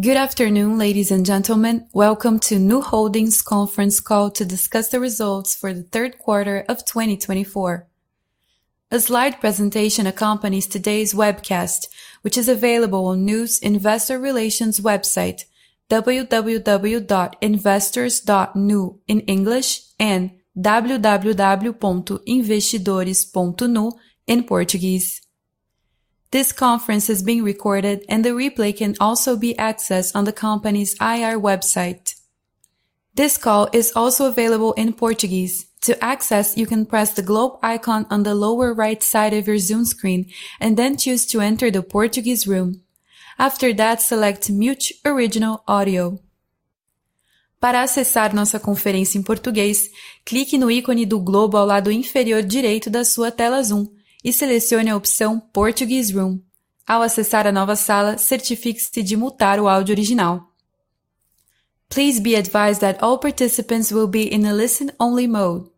Good afternoon, ladies and gentlemen. Welcome to Nu Holdings' conference call to discuss the results for the third quarter of 2024. A slide presentation accompanies today's webcast, which is available on Nu's Investor Relations website, www.investors.nu, in English, and www.investidores.nu, in Portuguese. This conference is being recorded, and the replay can also be accessed on the company's IR website. This call is also available in Portuguese. To access, you can press the globe icon on the lower right side of your Zoom screen and then choose to enter the Portuguese Room. After that, select Mute Original Audio. Para acessar nossa conferência em português, clique no ícone do globo ao lado inferior direito da sua tela Zoom e selecione a opção Portuguese Room. Ao acessar a nova sala, certifique-se de mutar o áudio original. Please be advised that all participants will be in a listen-only mode.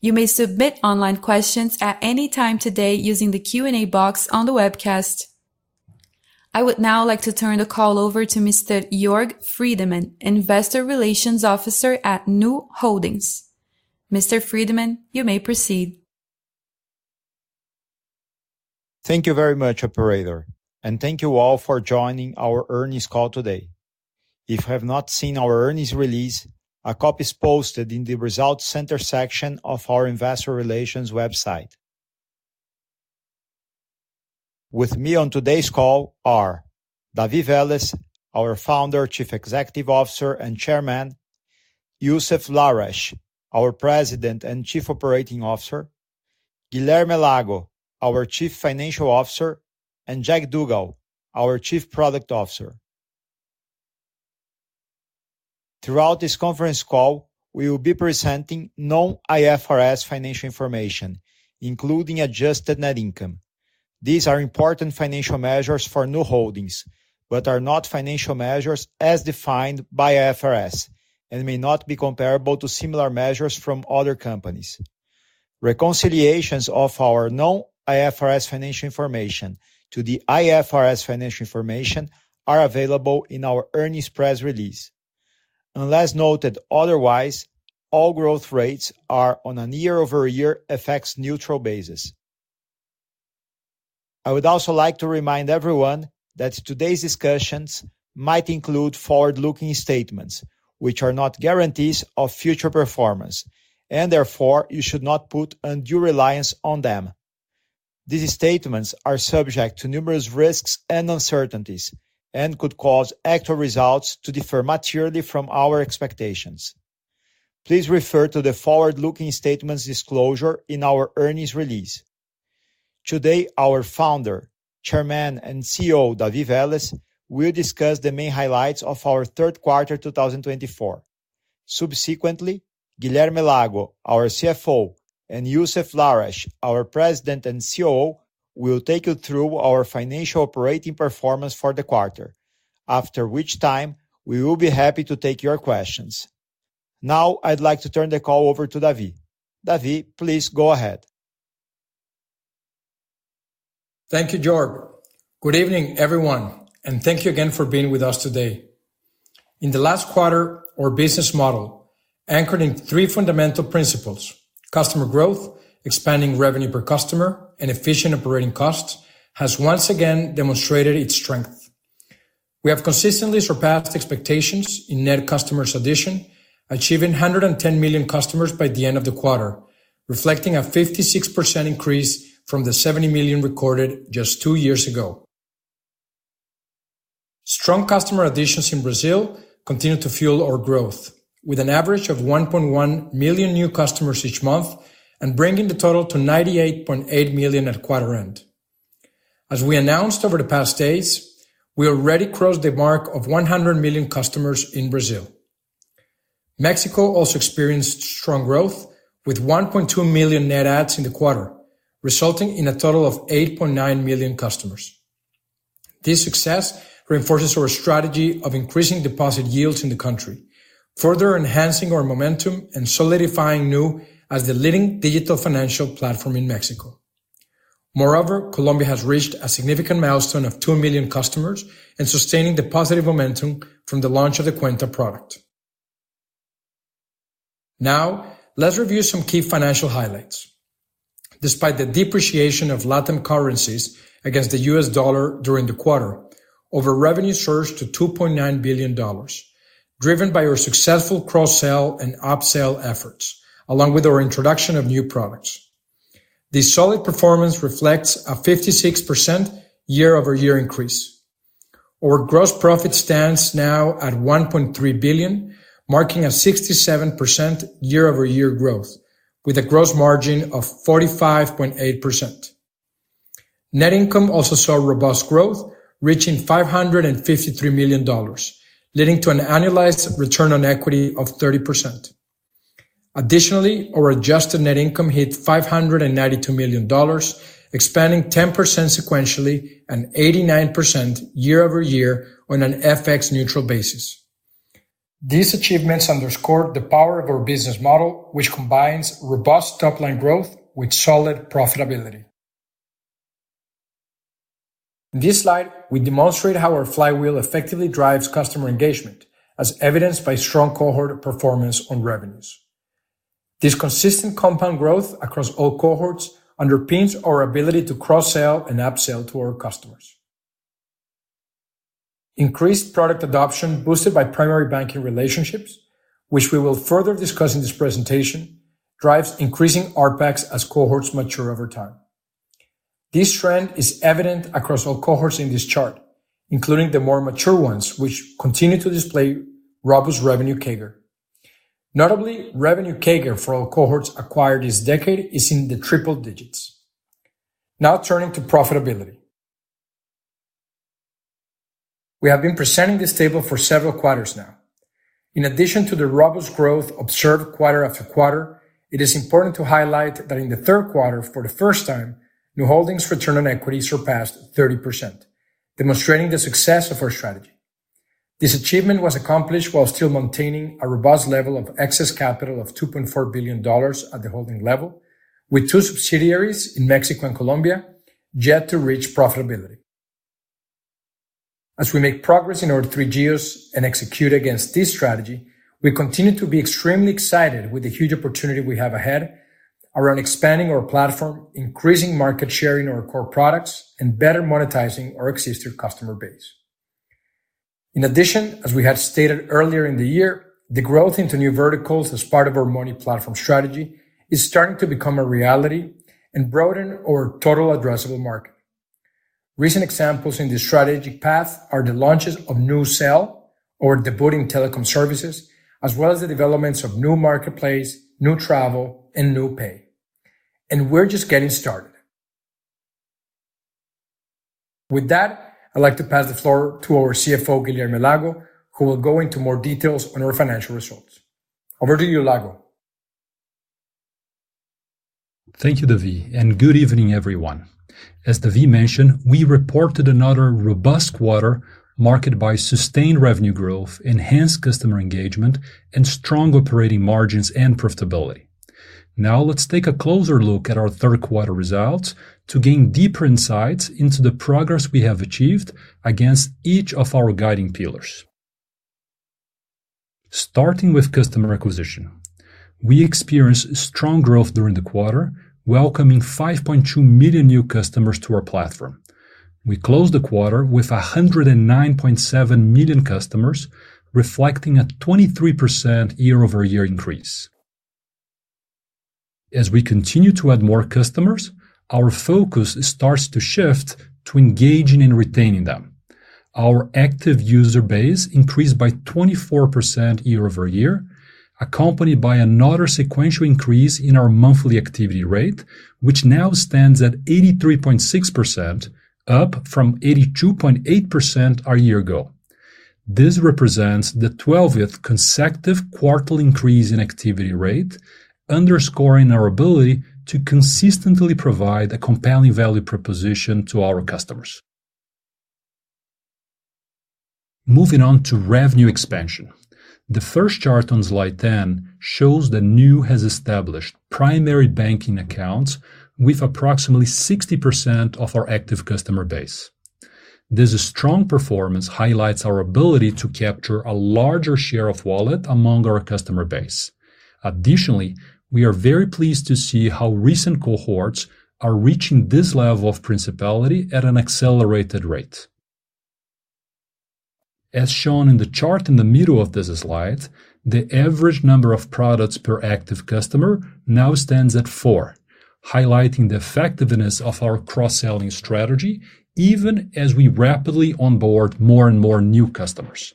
You may submit online questions at any time today using the Q&A box on the webcast. I would now like to turn the call over to Mr. Jorg Friedemann, Investor Relations Officer at Nu Holdings. Mr. Friedemann, you may proceed. Thank you very much, Operator, and thank you all for joining our earnings call today. If you have not seen our earnings release, a copy is posted in the Results Center section of our Investor Relations website. With me on today's call are David Vélez, our Founder, Chief Executive Officer and Chairman; Youssef Lahrech, our President and Chief Operating Officer; Guilherme Lago, our Chief Financial Officer; and Jag Duggal, our Chief Product Officer. Throughout this conference call, we will be presenting non-IFRS financial information, including adjusted net income. These are important financial measures for Nu Holdings but are not financial measures as defined by IFRS and may not be comparable to similar measures from other companies. Reconciliations of our non-IFRS financial information to the IFRS financial information are available in our earnings press release. Unless noted otherwise, all growth rates are on a year-over-year effects neutral basis. I would also like to remind everyone that today's discussions might include forward-looking statements, which are not guarantees of future performance, and therefore you should not put undue reliance on them. These statements are subject to numerous risks and uncertainties and could cause actual results to differ materially from our expectations. Please refer to the forward-looking statements disclosure in our earnings release. Today, our Founder, Chairman, and CEO David Vélez will discuss the main highlights of our third quarter 2024. Subsequently, Guilherme Lago, our CFO, and Youssef Lahrech, our President and COO, will take you through our financial operating performance for the quarter, after which time we will be happy to take your questions. Now, I'd like to turn the call over to David. David, please go ahead. Thank you, Jorg. Good evening, everyone, and thank you again for being with us today. In the last quarter, our business model, anchored in three fundamental principles, customer growth, expanding revenue per customer, and efficient operating costs, has once again demonstrated its strength. We have consistently surpassed expectations in net customer addition, achieving 110 million customers by the end of the quarter, reflecting a 56% increase from the 70 million recorded just two years ago. Strong customer additions in Brazil continue to fuel our growth, with an average of 1.1 million new customers each month and bringing the total to 98.8 million at quarter-end. As we announced over the past days, we already crossed the mark of 100 million customers in Brazil. Mexico also experienced strong growth, with 1.2 million net adds in the quarter, resulting in a total of 8.9 million customers. This success reinforces our strategy of increasing deposit yields in the country, further enhancing our momentum and solidifying Nu as the leading digital financial platform in Mexico. Moreover, Colombia has reached a significant milestone of 2 million customers and sustained the positive momentum from the launch of the Cuenta product. Now, let's review some key financial highlights. Despite the depreciation of Latin currencies against the U.S. dollar during the quarter, our revenue surged to $2.9 billion, driven by our successful cross-sell and upsell efforts, along with our introduction of new products. This solid performance reflects a 56% year-over-year increase. Our gross profit stands now at $1.3 billion, marking a 67% year-over-year growth, with a gross margin of 45.8%. Net income also saw robust growth, reaching $553 million, leading to an annualized return on equity of 30%. Additionally, our adjusted net income hit $592 million, expanding 10% sequentially and 89% year-over-year on an FX-neutral basis. These achievements underscore the power of our business model, which combines robust top-line growth with solid profitability. In this slide, we demonstrate how our flywheel effectively drives customer engagement, as evidenced by strong cohort performance on revenues. This consistent compound growth across all cohorts underpins our ability to cross-sell and upsell to our customers. Increased product adoption, boosted by primary banking relationships, which we will further discuss in this presentation, drives increasing RPACs as cohorts mature over time. This trend is evident across all cohorts in this chart, including the more mature ones, which continue to display robust revenue CAGR. Notably, revenue CAGR for all cohorts acquired this decade is in the triple digits. Now, turning to profitability. We have been presenting this table for several quarters now. In addition to the robust growth observed quarter after quarter, it is important to highlight that in the third quarter, for the first time, Nu Holdings' return on equity surpassed 30%, demonstrating the success of our strategy. This achievement was accomplished while still maintaining a robust level of excess capital of $2.4 billion at the holding level, with two subsidiaries in Mexico and Colombia yet to reach profitability. As we make progress in our three geos and execute against this strategy, we continue to be extremely excited with the huge opportunity we have ahead around expanding our platform, increasing market share in our core products, and better monetizing our existing customer base. In addition, as we had stated earlier in the year, the growth into new verticals as part of our multi-platform strategy is starting to become a reality and broaden our total addressable market. Recent examples in this strategic path are the launches of NuCel, our new telecom services, as well as the developments of NuMarketplace, NuTravel, and NuPay. And we're just getting started. With that, I'd like to pass the floor to our CFO, Guilherme Lago, who will go into more details on our financial results. Over to you, Lago. Thank you, David, and good evening, everyone. As David mentioned, we reported another robust quarter marked by sustained revenue growth, enhanced customer engagement, and strong operating margins and profitability. Now, let's take a closer look at our third quarter results to gain deeper insights into the progress we have achieved against each of our guiding pillars. Starting with customer acquisition, we experienced strong growth during the quarter, welcoming 5.2 million new customers to our platform. We closed the quarter with 109.7 million customers, reflecting a 23% year-over-year increase. As we continue to add more customers, our focus starts to shift to engaging and retaining them. Our active user base increased by 24% year-over-year, accompanied by another sequential increase in our monthly activity rate, which now stands at 83.6%, up from 82.8% a year ago. This represents the 12th consecutive quarterly increase in activity rate, underscoring our ability to consistently provide a compelling value proposition to our customers. Moving on to revenue expansion, the first chart on slide 10 shows that Nu has established primary banking accounts with approximately 60% of our active customer base. This strong performance highlights our ability to capture a larger share of wallet among our customer base. Additionally, we are very pleased to see how recent cohorts are reaching this level of primacy at an accelerated rate. As shown in the chart in the middle of this slide, the average number of products per active customer now stands at four, highlighting the effectiveness of our cross-selling strategy, even as we rapidly onboard more and more new customers.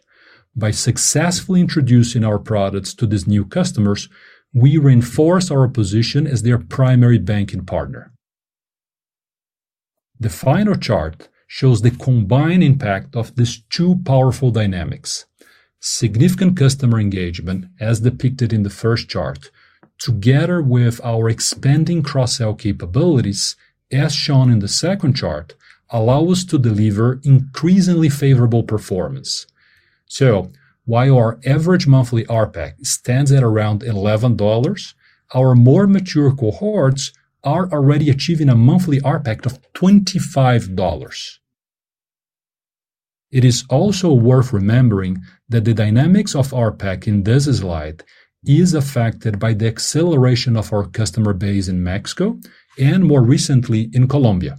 By successfully introducing our products to these new customers, we reinforce our position as their primary banking partner. The final chart shows the combined impact of these two powerful dynamics: significant customer engagement, as depicted in the first chart, together with our expanding cross-sell capabilities, as shown in the second chart, allow us to deliver increasingly favorable performance. So, while our average monthly RPAC stands at around $11, our more mature cohorts are already achieving a monthly RPAC of $25. It is also worth remembering that the dynamics of RPAC in this slide are affected by the acceleration of our customer base in Mexico and, more recently, in Colombia.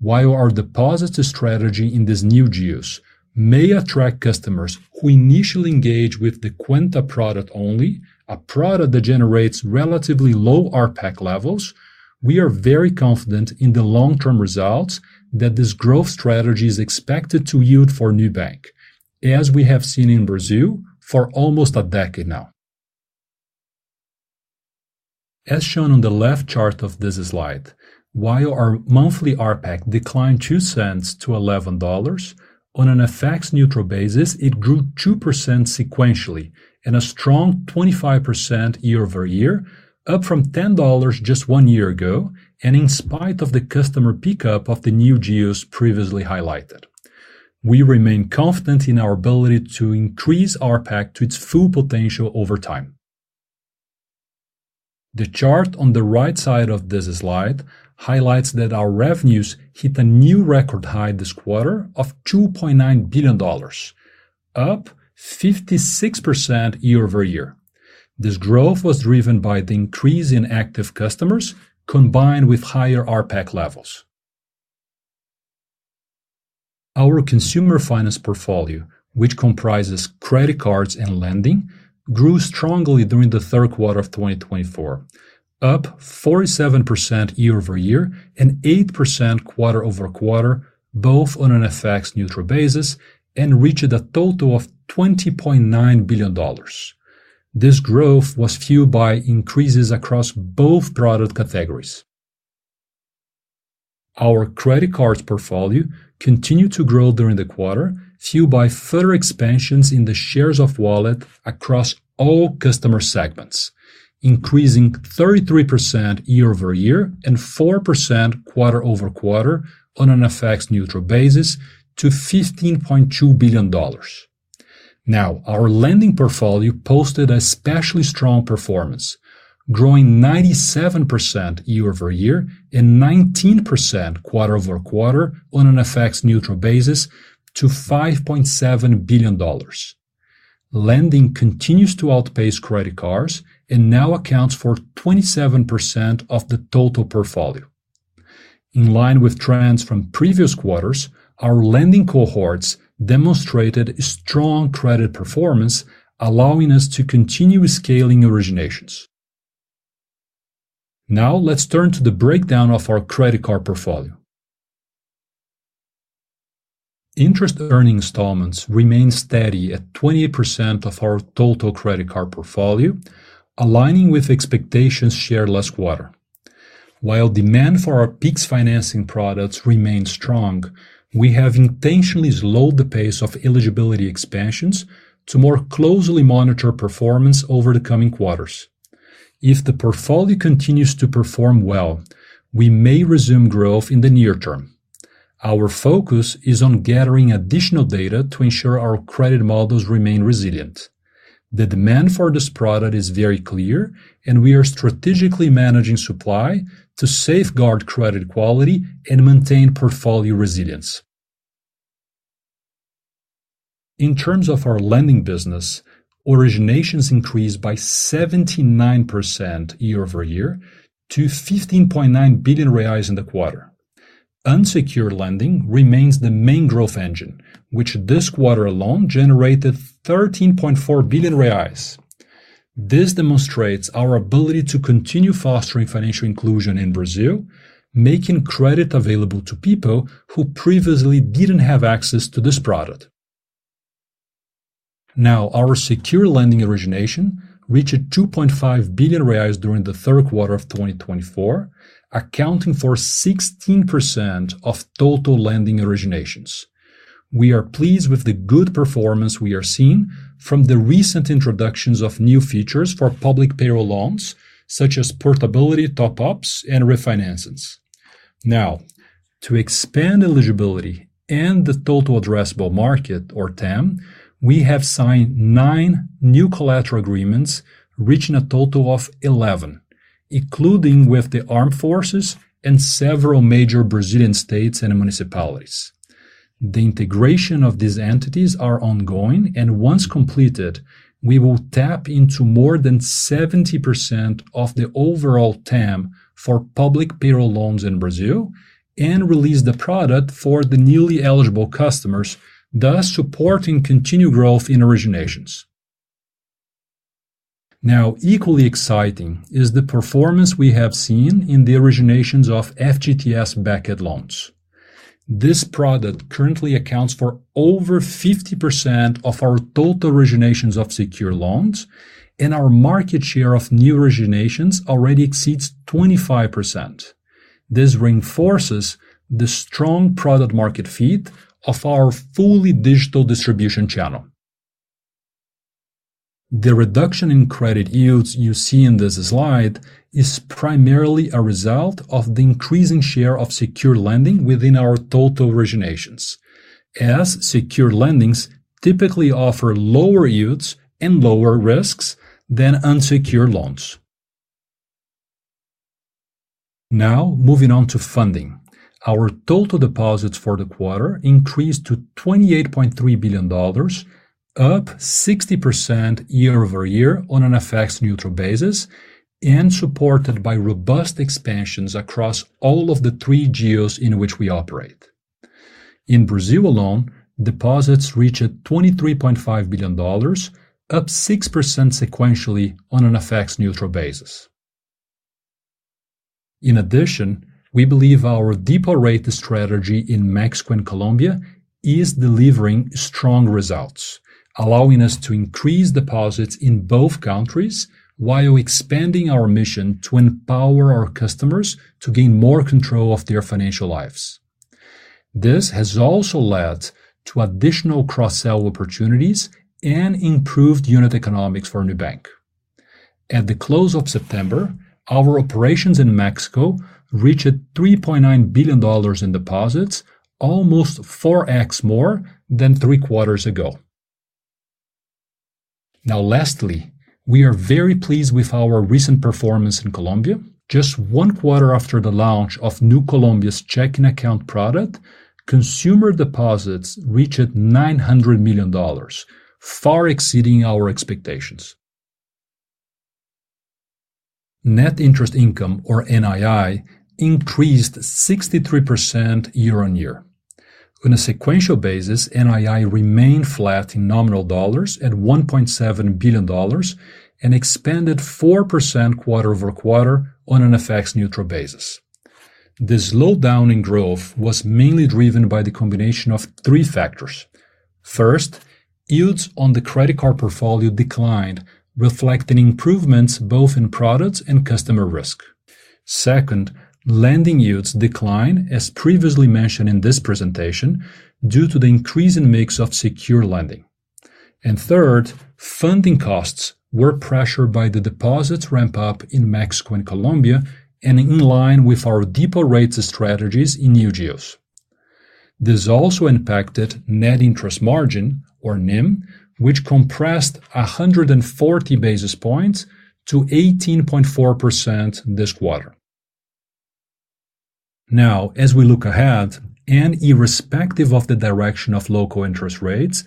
While our deposit strategy in these new geos may attract customers who initially engage with the Cuenta product only, a product that generates relatively low RPAC levels, we are very confident in the long-term results that this growth strategy is expected to yield for Nubank, as we have seen in Brazil for almost a decade now. As shown on the left chart of this slide, while our monthly RPAC declined $0.02 to $11, on an FX-neutral basis, it grew 2% sequentially and a strong 25% year-over-year, up from $10 just one year ago, and in spite of the customer pickup of the new geos previously highlighted. We remain confident in our ability to increase our RPAC to its full potential over time. The chart on the right side of this slide highlights that our revenues hit a new record high this quarter of $2.9 billion, up 56% year-over-year. This growth was driven by the increase in active customers combined with higher RPAC levels. Our consumer finance portfolio, which comprises credit cards and lending, grew strongly during the third quarter of 2024, up 47% year-over-year and 8% quarter-over-quarter, both on an FX-neutral basis, and reached a total of $20.9 billion. This growth was fueled by increases across both product categories. Our credit cards portfolio continued to grow during the quarter, fueled by further expansions in the shares of wallet across all customer segments, increasing 33% year-over-year and 4% quarter-over-quarter on an FX-neutral basis to $15.2 billion. Now, our lending portfolio posted an especially strong performance, growing 97% year-over-year and 19% quarter-over-quarter on an FX-neutral basis to $5.7 billion. Lending continues to outpace credit cards and now accounts for 27% of the total portfolio. In line with trends from previous quarters, our lending cohorts demonstrated strong credit performance, allowing us to continue scaling originations. Now, let's turn to the breakdown of our credit card portfolio. Interest earning installments remain steady at 28% of our total credit card portfolio, aligning with expectations shared last quarter. While demand for our Pix financing products remains strong, we have intentionally slowed the pace of eligibility expansions to more closely monitor performance over the coming quarters. If the portfolio continues to perform well, we may resume growth in the near term. Our focus is on gathering additional data to ensure our credit models remain resilient. The demand for this product is very clear, and we are strategically managing supply to safeguard credit quality and maintain portfolio resilience. In terms of our lending business, originations increased by 79% year-over-year to 15.9 billion reais in the quarter. Unsecured lending remains the main growth engine, which this quarter alone generated 13.4 billion reais. This demonstrates our ability to continue fostering financial inclusion in Brazil, making credit available to people who previously didn't have access to this product. Now, our secured lending origination reached 2.5 billion reais during the third quarter of 2024, accounting for 16% of total lending originations. We are pleased with the good performance we are seeing from the recent introductions of new features for public payroll loans, such as portability top-ups and refinancings. Now, to expand eligibility and the total addressable market, or TAM, we have signed nine new collateral agreements, reaching a total of 11, including with the Armed Forces and several major Brazilian states and municipalities. The integration of these entities is ongoing, and once completed, we will tap into more than 70% of the overall TAM for public payroll loans in Brazil and release the product for the newly eligible customers, thus supporting continued growth in originations. Now, equally exciting is the performance we have seen in the originations of FGTS-backed loans. This product currently accounts for over 50% of our total originations of secured loans, and our market share of new originations already exceeds 25%. This reinforces the strong product-market fit of our fully digital distribution channel. The reduction in credit yields you see in this slide is primarily a result of the increasing share of secured lending within our total originations, as secured lendings typically offer lower yields and lower risks than unsecured loans. Now, moving on to funding, our total deposits for the quarter increased to $28.3 billion, up 60% year-over-year on an FX-neutral basis, and supported by robust expansions across all of the three geos in which we operate. In Brazil alone, deposits reached $23.5 billion, up 6% sequentially on an FX-neutral basis. In addition, we believe our deeper rate strategy in Mexico and Colombia is delivering strong results, allowing us to increase deposits in both countries while expanding our mission to empower our customers to gain more control of their financial lives. This has also led to additional cross-sell opportunities and improved unit economics for Nubank. At the close of September, our operations in Mexico reached $3.9 billion in deposits, almost 4X more than three quarters ago. Now, lastly, we are very pleased with our recent performance in Colombia. Just one quarter after the launch of Nu Colombia's checking account product, consumer deposits reached $900 million, far exceeding our expectations. Net interest income, or NII, increased 63% year-on-year. On a sequential basis, NII remained flat in nominal dollars at $1.7 billion and expanded 4% quarter-over-quarter on an FX-neutral basis. This slowdown in growth was mainly driven by the combination of three factors. First, yields on the credit card portfolio declined, reflecting improvements both in products and customer risk. Second, lending yields declined, as previously mentioned in this presentation, due to the increase in mix of secured lending, and third, funding costs were pressured by the deposits ramp-up in Mexico and Colombia, and in line with our deeper rates strategies in new geos. This also impacted net interest margin, or NIM, which compressed 140 basis points to 18.4% this quarter. Now, as we look ahead, and irrespective of the direction of local interest rates,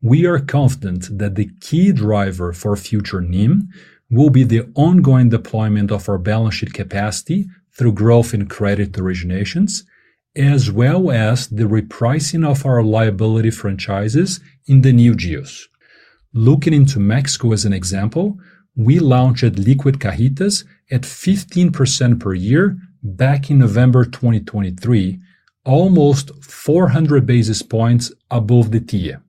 we are confident that the key driver for future NIM will be the ongoing deployment of our balance sheet capacity through growth in credit originations, as well as the repricing of our liability franchises in the new geos. Looking into Mexico as an example, we launched Liquid Cajitas at 15% per year back in November 2023, almost 400 basis points above the TIIE.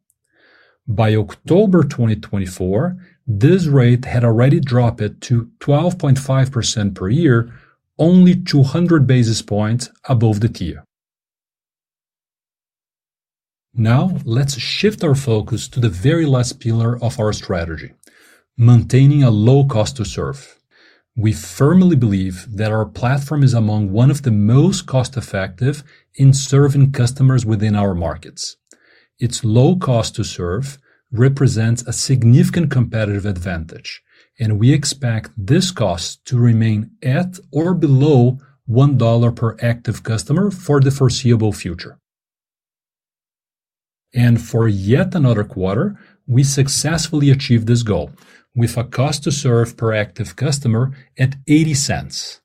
By October 2024, this rate had already dropped to 12.5% per year, only 200 basis points above the TIIE. Now, let's shift our focus to the very last pillar of our strategy: maintaining a low cost to serve. We firmly believe that our platform is among one of the most cost-effective in serving customers within our markets. Its low cost to serve represents a significant competitive advantage, and we expect this cost to remain at or below $1 per active customer for the foreseeable future. And for yet another quarter, we successfully achieved this goal with a cost to serve per active customer at $0.80.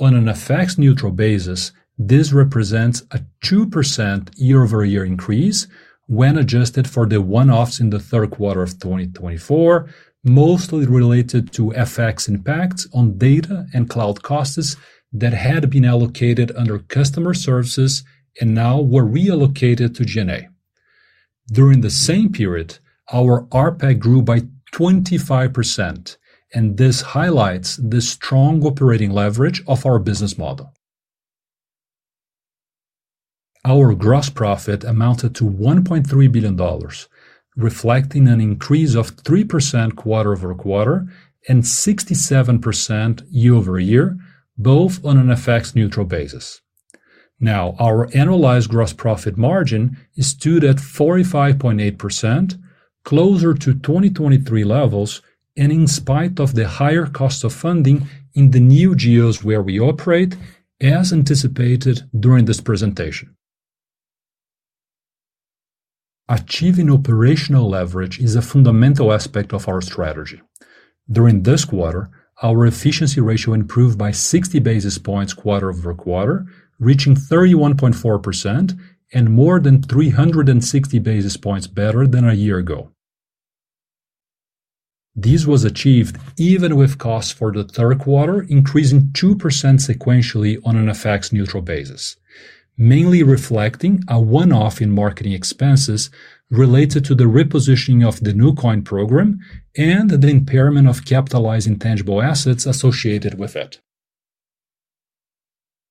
On an FX-neutral basis, this represents a 2% year-over-year increase when adjusted for the one-offs in the third quarter of 2024, mostly related to FX impacts on data and cloud costs that had been allocated under customer services and now were reallocated to G&A. During the same period, our RPAC grew by 25%, and this highlights the strong operating leverage of our business model. Our gross profit amounted to $1.3 billion, reflecting an increase of 3% quarter-over-quarter and 67% year-over-year, both on an FX-neutral basis. Now, our annualized gross profit margin is stood at 45.8%, closer to 2023 levels, and in spite of the higher cost of funding in the new geos where we operate, as anticipated during this presentation. Achieving operational leverage is a fundamental aspect of our strategy. During this quarter, our efficiency ratio improved by 60 basis points quarter-over-quarter, reaching 31.4% and more than 360 basis points better than a year ago. This was achieved even with costs for the third quarter increasing 2% sequentially on an FX-neutral basis, mainly reflecting a one-off in marketing expenses related to the repositioning of the Nucoin program and the impairment of capitalizing tangible assets associated with it.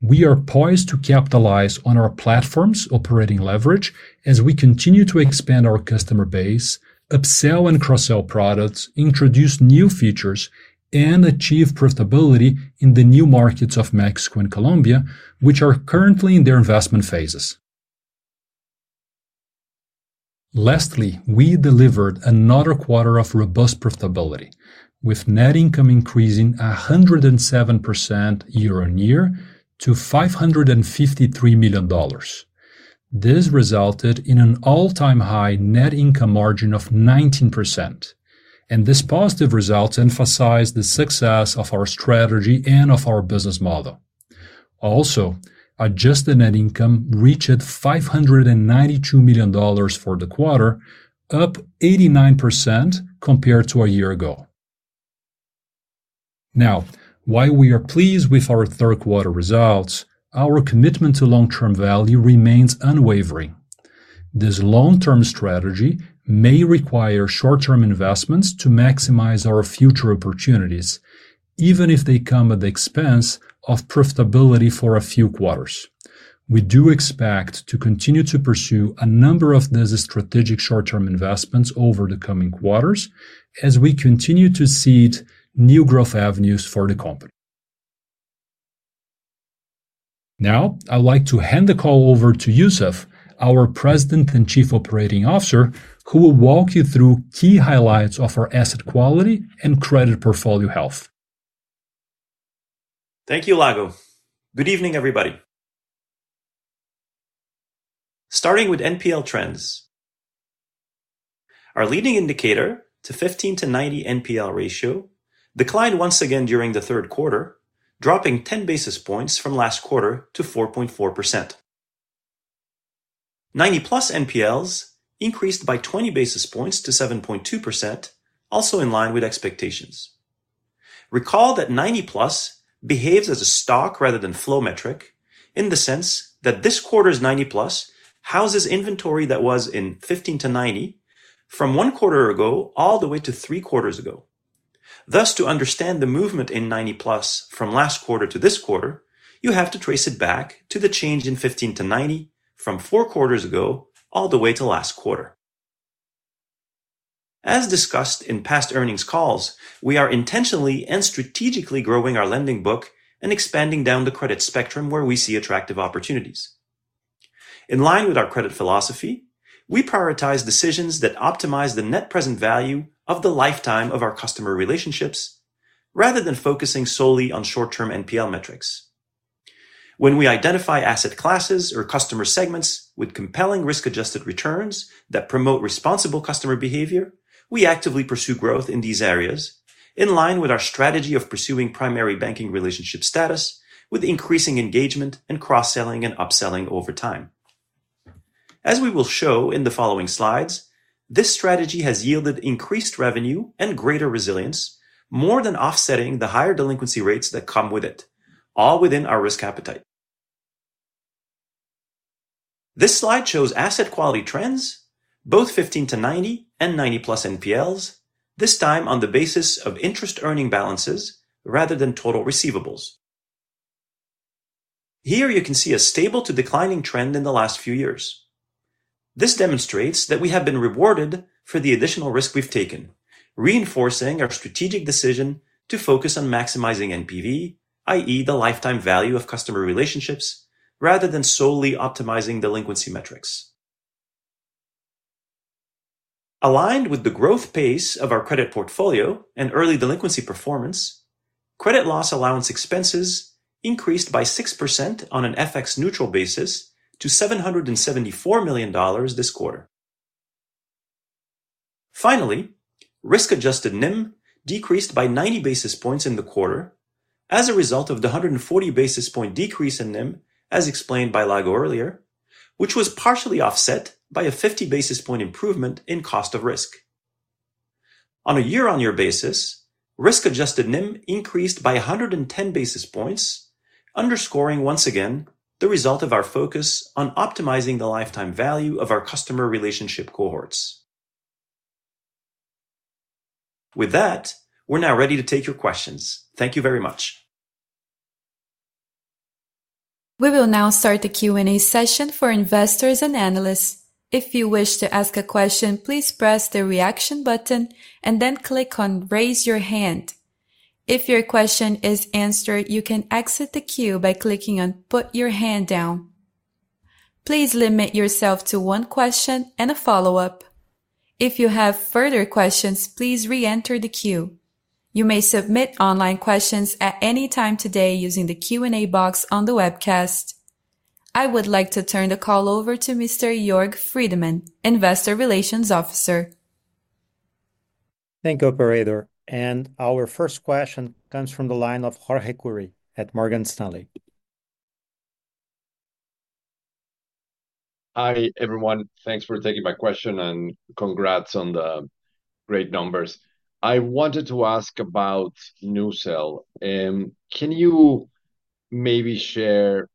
We are poised to capitalize on our platform's operating leverage as we continue to expand our customer base, upsell and cross-sell products, introduce new features, and achieve profitability in the new markets of Mexico and Colombia, which are currently in their investment phases. Lastly, we delivered another quarter of robust profitability, with net income increasing 107% year-on-year to $553 million. This resulted in an all-time high net income margin of 19%, and this positive result emphasized the success of our strategy and of our business model. Also, adjusted net income reached $592 million for the quarter, up 89% compared to a year ago. Now, while we are pleased with our third quarter results, our commitment to long-term value remains unwavering. This long-term strategy may require short-term investments to maximize our future opportunities, even if they come at the expense of profitability for a few quarters. We do expect to continue to pursue a number of these strategic short-term investments over the coming quarters as we continue to seed new growth avenues for the company. Now, I'd like to hand the call over to Youssef, our President and Chief Operating Officer, who will walk you through key highlights of our asset quality and credit portfolio health. Thank you, Lago. Good evening, everybody. Starting with NPL trends. Our leading indicator, the 15 to 90 NPL ratio, declined once again during the third quarter, dropping 10 basis points from last quarter to 4.4%. 90 plus NPLs increased by 20 basis points to 7.2%, also in line with expectations. Recall that 90 plus behaves as a stock rather than flow metric, in the sense that this quarter's 90 plus houses inventory that was in 15 to 90 from one quarter ago all the way to three quarters ago. Thus, to understand the movement in 90 plus from last quarter to this quarter, you have to trace it back to the change in 15 to 90 from four quarters ago all the way to last quarter. As discussed in past earnings calls, we are intentionally and strategically growing our lending book and expanding down the credit spectrum where we see attractive opportunities. In line with our credit philosophy, we prioritize decisions that optimize the net present value of the lifetime of our customer relationships rather than focusing solely on short-term NPL metrics. When we identify asset classes or customer segments with compelling risk-adjusted returns that promote responsible customer behavior, we actively pursue growth in these areas, in line with our strategy of pursuing primary banking relationship status with increasing engagement and cross-selling and upselling over time. As we will show in the following slides, this strategy has yielded increased revenue and greater resilience, more than offsetting the higher delinquency rates that come with it, all within our risk appetite. This slide shows asset quality trends, both 15-90 and 90+ NPLs, this time on the basis of interest earning balances rather than total receivables. Here you can see a stable to declining trend in the last few years. This demonstrates that we have been rewarded for the additional risk we've taken, reinforcing our strategic decision to focus on maximizing NPV, i.e., the lifetime value of customer relationships, rather than solely optimizing delinquency metrics. Aligned with the growth pace of our credit portfolio and early delinquency performance, credit loss allowance expenses increased by 6% on an FX-neutral basis to $774 million this quarter. Finally, risk-adjusted NIM decreased by 90 basis points in the quarter as a result of the 140 basis point decrease in NIM, as explained by Lago earlier, which was partially offset by a 50 basis point improvement in cost of risk. On a year-on-year basis, risk-adjusted NIM increased by 110 basis points, underscoring once again the result of our focus on optimizing the lifetime value of our customer relationship cohorts. With that, we're now ready to take your questions. Thank you very much. We will now start the Q&A session for investors and analysts. If you wish to ask a question, please press the reaction button and then click on Raise Your Hand. If your question is answered, you can exit the queue by clicking on Put Your Hand Down. Please limit yourself to one question and a follow-up. If you have further questions, please re-enter the queue. You may submit online questions at any time today using the Q&A box on the webcast. I would like to turn the call over to Mr. Jorg Friedemann, Investor Relations Officer. Thank you, Operator. And our first question comes from the line of Jorge Kuri at Morgan Stanley. Hi, everyone. Thanks for taking my question and congrats on the great numbers. I wanted to ask about NuCel. Can you maybe share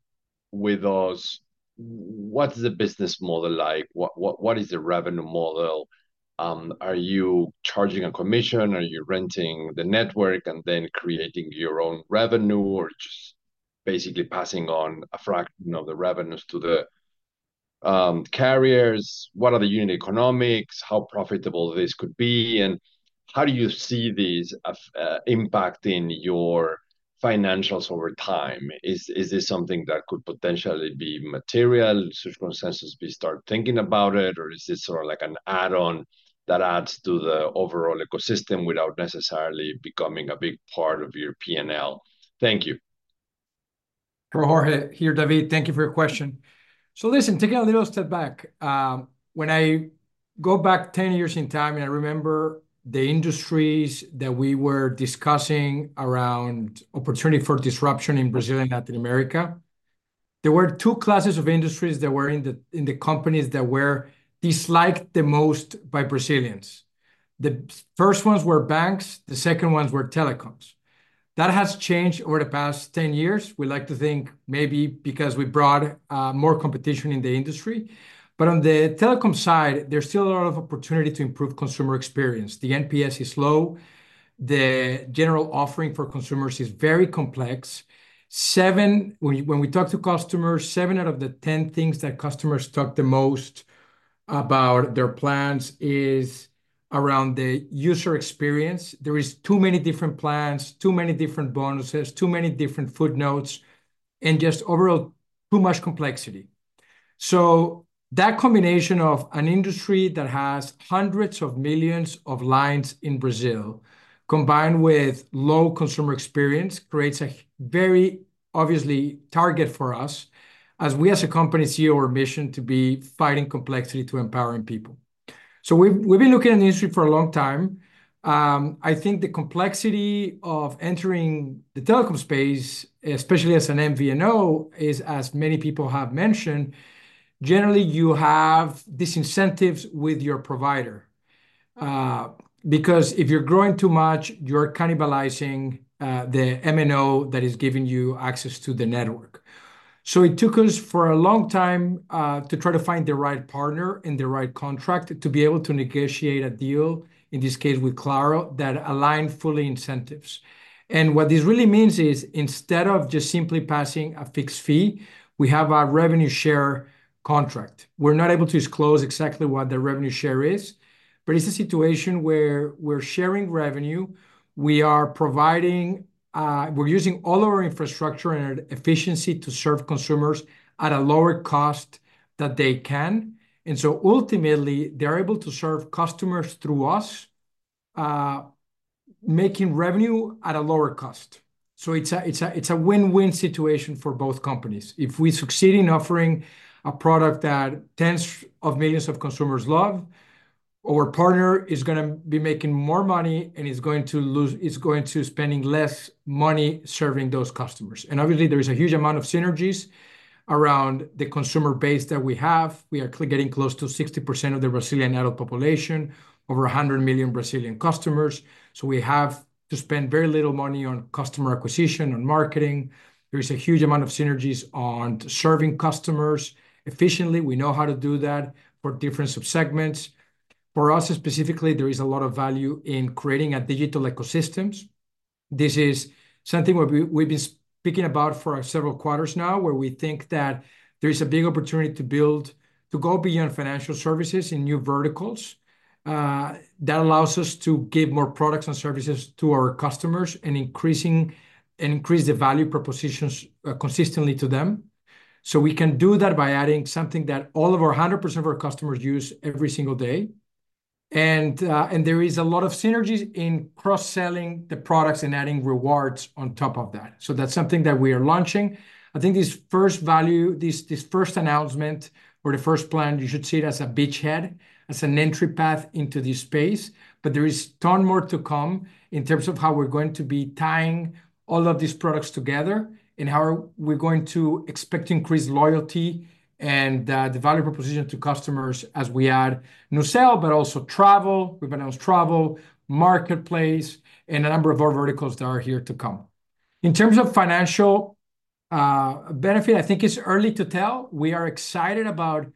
with us what's the business model like? What is the revenue model? Are you charging a commission? Are you renting the network and then creating your own revenue or just basically passing on a fraction of the revenues to the carriers? What are the unit economics? How profitable this could be? And how do you see these impacting your financials over time? Is this something that could potentially be material? Should consensus start thinking about it, or is this sort of like an add-on that adds to the overall ecosystem without necessarily becoming a big part of your P&L? Thank you. For Jorge here, David, thank you for your question. So listen, taking a little step back, when I go back 10 years in time and I remember the industries that we were discussing around opportunity for disruption in Brazil and Latin America, there were two classes of industries that were in the companies that were disliked the most by Brazilians. The first ones were banks. The second ones were telecoms. That has changed over the past 10 years. We like to think maybe because we brought more competition in the industry. But on the telecom side, there's still a lot of opportunity to improve consumer experience. The NPS is low. The general offering for consumers is very complex. When we talk to customers, seven out of the 10 things that customers talk the most about their plans is around the user experience. There are too many different plans, too many different bonuses, too many different footnotes, and just overall too much complexity. So that combination of an industry that has hundreds of millions of lines in Brazil, combined with low consumer experience, creates a very obvious target for us, as we as a company see our mission to be fighting complexity to empowering people. So we've been looking at the industry for a long time. I think the complexity of entering the telecom space, especially as an MVNO, is, as many people have mentioned, generally you have disincentives with your provider. Because if you're growing too much, you're cannibalizing the MNO that is giving you access to the network. So it took us for a long time to try to find the right partner and the right contract to be able to negotiate a deal, in this case with Claro, that aligned fully incentives. And what this really means is instead of just simply passing a fixed fee, we have a revenue share contract. We're not able to disclose exactly what the revenue share is, but it's a situation where we're sharing revenue. We are providing, we're using all our infrastructure and our efficiency to serve consumers at a lower cost that they can. Ultimately, they're able to serve customers through us, making revenue at a lower cost. It's a win-win situation for both companies. If we succeed in offering a product that tens of millions of consumers love, our partner is going to be making more money and is going to spend less money serving those customers. Obviously, there is a huge amount of synergies around the consumer base that we have. We are getting close to 60% of the Brazilian adult population, over 100 million Brazilian customers. We have to spend very little money on customer acquisition and marketing. There is a huge amount of synergies on serving customers efficiently. We know how to do that for different subsegments. For us specifically, there is a lot of value in creating a digital ecosystem. This is something we've been speaking about for several quarters now, where we think that there is a big opportunity to build, to go beyond financial services in new verticals that allows us to give more products and services to our customers and increase the value propositions consistently to them. So we can do that by adding something that all of our 100% of our customers use every single day. And there is a lot of synergies in cross-selling the products and adding rewards on top of that. So that's something that we are launching. I think this first value, this first announcement or the first plan, you should see it as a beachhead, as an entry path into this space. But there is a ton more to come in terms of how we're going to be tying all of these products together and how we're going to expect to increase loyalty and the value proposition to customers as we add NuCel, but also NuTravel. We've announced NuTravel, NuMarketplace, and a number of other verticals that are yet to come. In terms of financial benefit, I think it's early to tell. We are excited about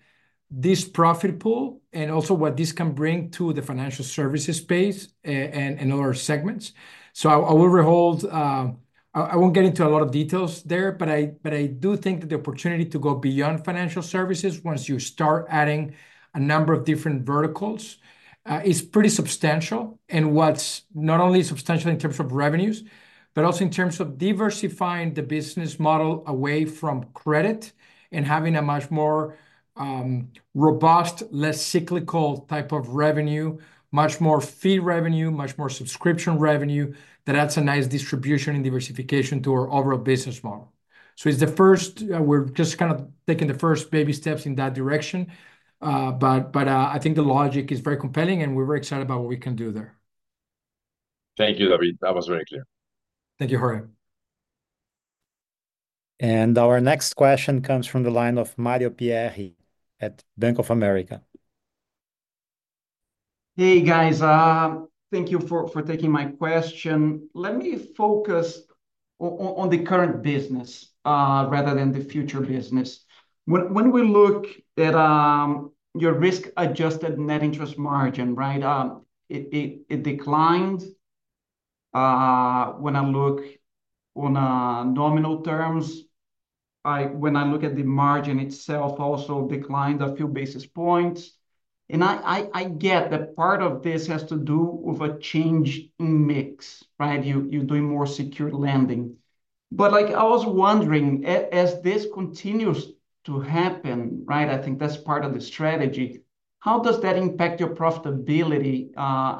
this profit pool and also what this can bring to the financial services space and other segments. So I will hold off, I won't get into a lot of details there, but I do think that the opportunity to go beyond financial services once you start adding a number of different verticals is pretty substantial. What's not only substantial in terms of revenues, but also in terms of diversifying the business model away from credit and having a much more robust, less cyclical type of revenue, much more fee revenue, much more subscription revenue, that adds a nice distribution and diversification to our overall business model. So it's the first; we're just kind of taking the first baby steps in that direction. But I think the logic is very compelling, and we're very excited about what we can do there. Thank you, David. That was very clear. Thank you, Jorge. Our next question comes from the line of Mario Pierry at Bank of America. Hey, guys, thank you for taking my question. Let me focus on the current business rather than the future business. When we look at your risk-adjusted net interest margin, right, it declined. When I look on nominal terms, when I look at the margin itself, it also declined a few basis points. And I get that part of this has to do with a change in mix, right? You're doing more secured lending. But I was wondering, as this continues to happen, right, I think that's part of the strategy. How does that impact your profitability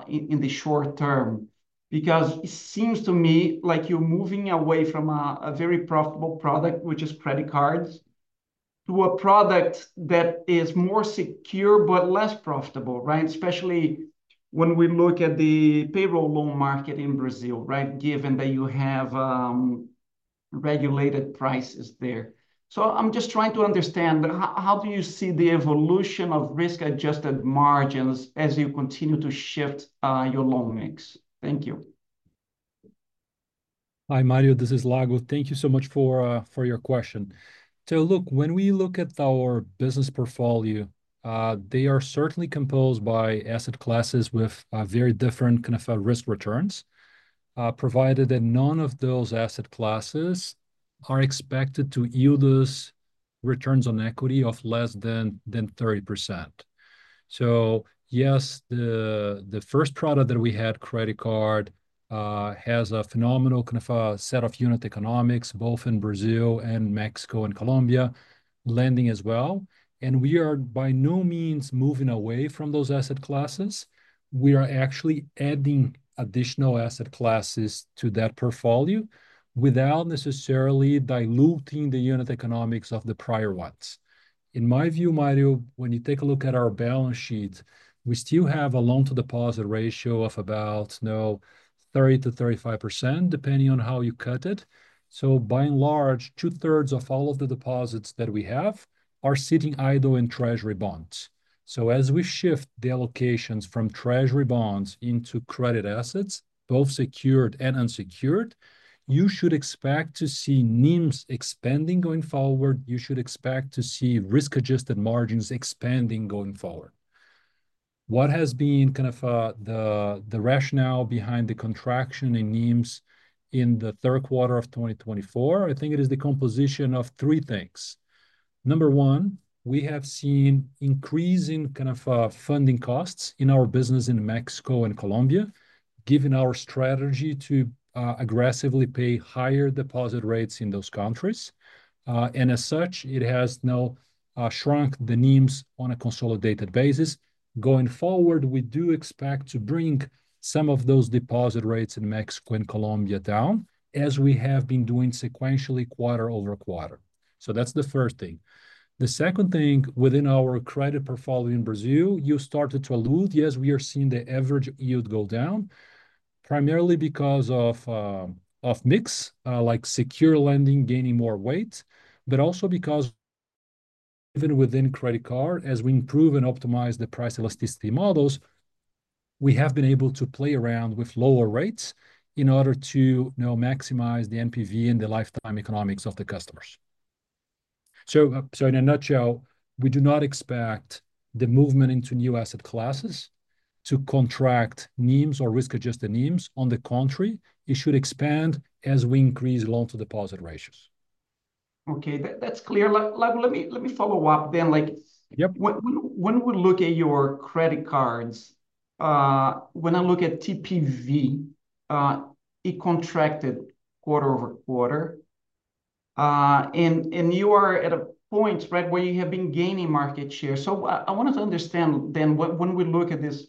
in the short term? Because it seems to me like you're moving away from a very profitable product, which is credit cards, to a product that is more secure but less profitable, right? Especially when we look at the payroll loan market in Brazil, right, given that you have regulated prices there. So I'm just trying to understand how do you see the evolution of risk-adjusted margins as you continue to shift your loan mix? Thank you. Hi, Mario, this is Lago. Thank you so much for your question. So look, when we look at our business portfolio, they are certainly composed by asset classes with very different kind of risk returns, provided that none of those asset classes are expected to yield us returns on equity of less than 30%. So yes, the first product that we had, credit card, has a phenomenal kind of set of unit economics, both in Brazil and Mexico and Colombia, lending as well. And we are by no means moving away from those asset classes. We are actually adding additional asset classes to that portfolio without necessarily diluting the unit economics of the prior ones. In my view, Mario, when you take a look at our balance sheet, we still have a loan-to-deposit ratio of about 30%-35%, depending on how you cut it. So by and large, two-thirds of all of the deposits that we have are sitting either in Treasury bonds. So as we shift the allocations from Treasury bonds into credit assets, both secured and unsecured, you should expect to see NIMs expanding going forward. You should expect to see risk-adjusted margins expanding going forward. What has been kind of the rationale behind the contraction in NIMs in the third quarter of 2024? I think it is the composition of three things. Number one, we have seen increasing kind of funding costs in our business in Mexico and Colombia, given our strategy to aggressively pay higher deposit rates in those countries. And as such, it has now shrunk the NIMs on a consolidated basis. Going forward, we do expect to bring some of those deposit rates in Mexico and Colombia down, as we have been doing sequentially quarter over quarter. So that's the first thing. The second thing within our credit portfolio in Brazil, you started to allude, yes, we are seeing the average yield go down, primarily because of mix like secured lending gaining more weight, but also because even within credit card, as we improve and optimize the price elasticity models, we have been able to play around with lower rates in order to maximize the NPV and the lifetime economics of the customers. So in a nutshell, we do not expect the movement into new asset classes to contract NIMs or risk-adjusted NIMs. On the contrary, it should expand as we increase loan-to-deposit ratios. Okay, that's clear. Let me follow up then. When we look at your credit cards, when I look at TPV, it contracted quarter over quarter. And you are at a point, right, where you have been gaining market share. I wanted to understand then when we look at this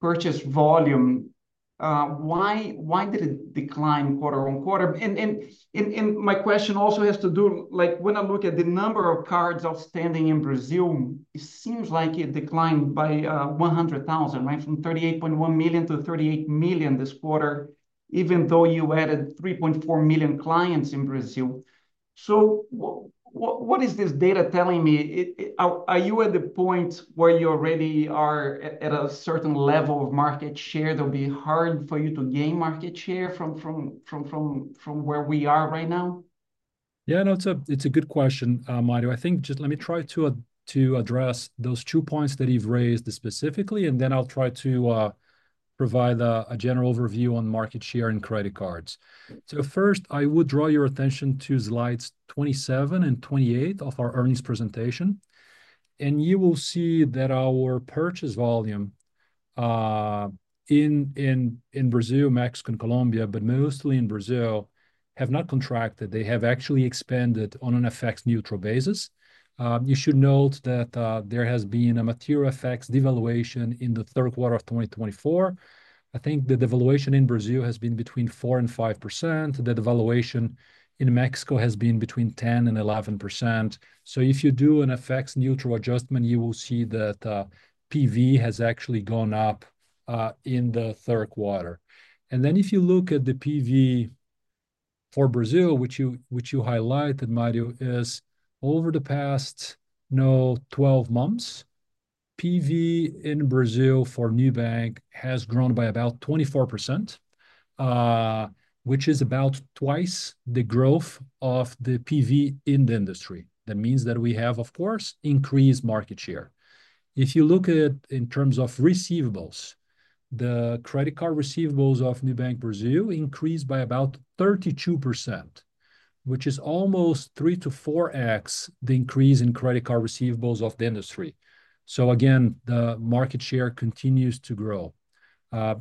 purchase volume, why did it decline quarter on quarter? And my question also has to do, when I look at the number of cards outstanding in Brazil, it seems like it declined by 100,000, right, from 38.1 million to 38 million this quarter, even though you added 3.4 million clients in Brazil. So what is this data telling me? Are you at the point where you already are at a certain level of market share that will be hard for you to gain market share from where we are right now? Yeah, no, it's a good question, Mario. I think just let me try to address those two points that you've raised specifically, and then I'll try to provide a general overview on market share and credit cards. So first, I would draw your attention to slides 27 and 28 of our earnings presentation. And you will see that our purchase volume in Brazil, Mexico, and Colombia, but mostly in Brazil, have not contracted. They have actually expanded on an FX-neutral basis. You should note that there has been a material FX devaluation in the third quarter of 2024. I think the devaluation in Brazil has been between 4% and 5%. The devaluation in Mexico has been between 10% and 11%. So if you do an FX-neutral adjustment, you will see that PV has actually gone up in the third quarter. And then if you look at the PV for Brazil, which you highlighted, Mario, is over the past, no, 12 months, PV in Brazil for Nubank has grown by about 24%, which is about twice the growth of the PV in the industry. That means that we have, of course, increased market share. If you look at in terms of receivables, the credit card receivables of Nubank Brazil increased by about 32%, which is almost three to four times the increase in credit card receivables of the industry. So again, the market share continues to grow.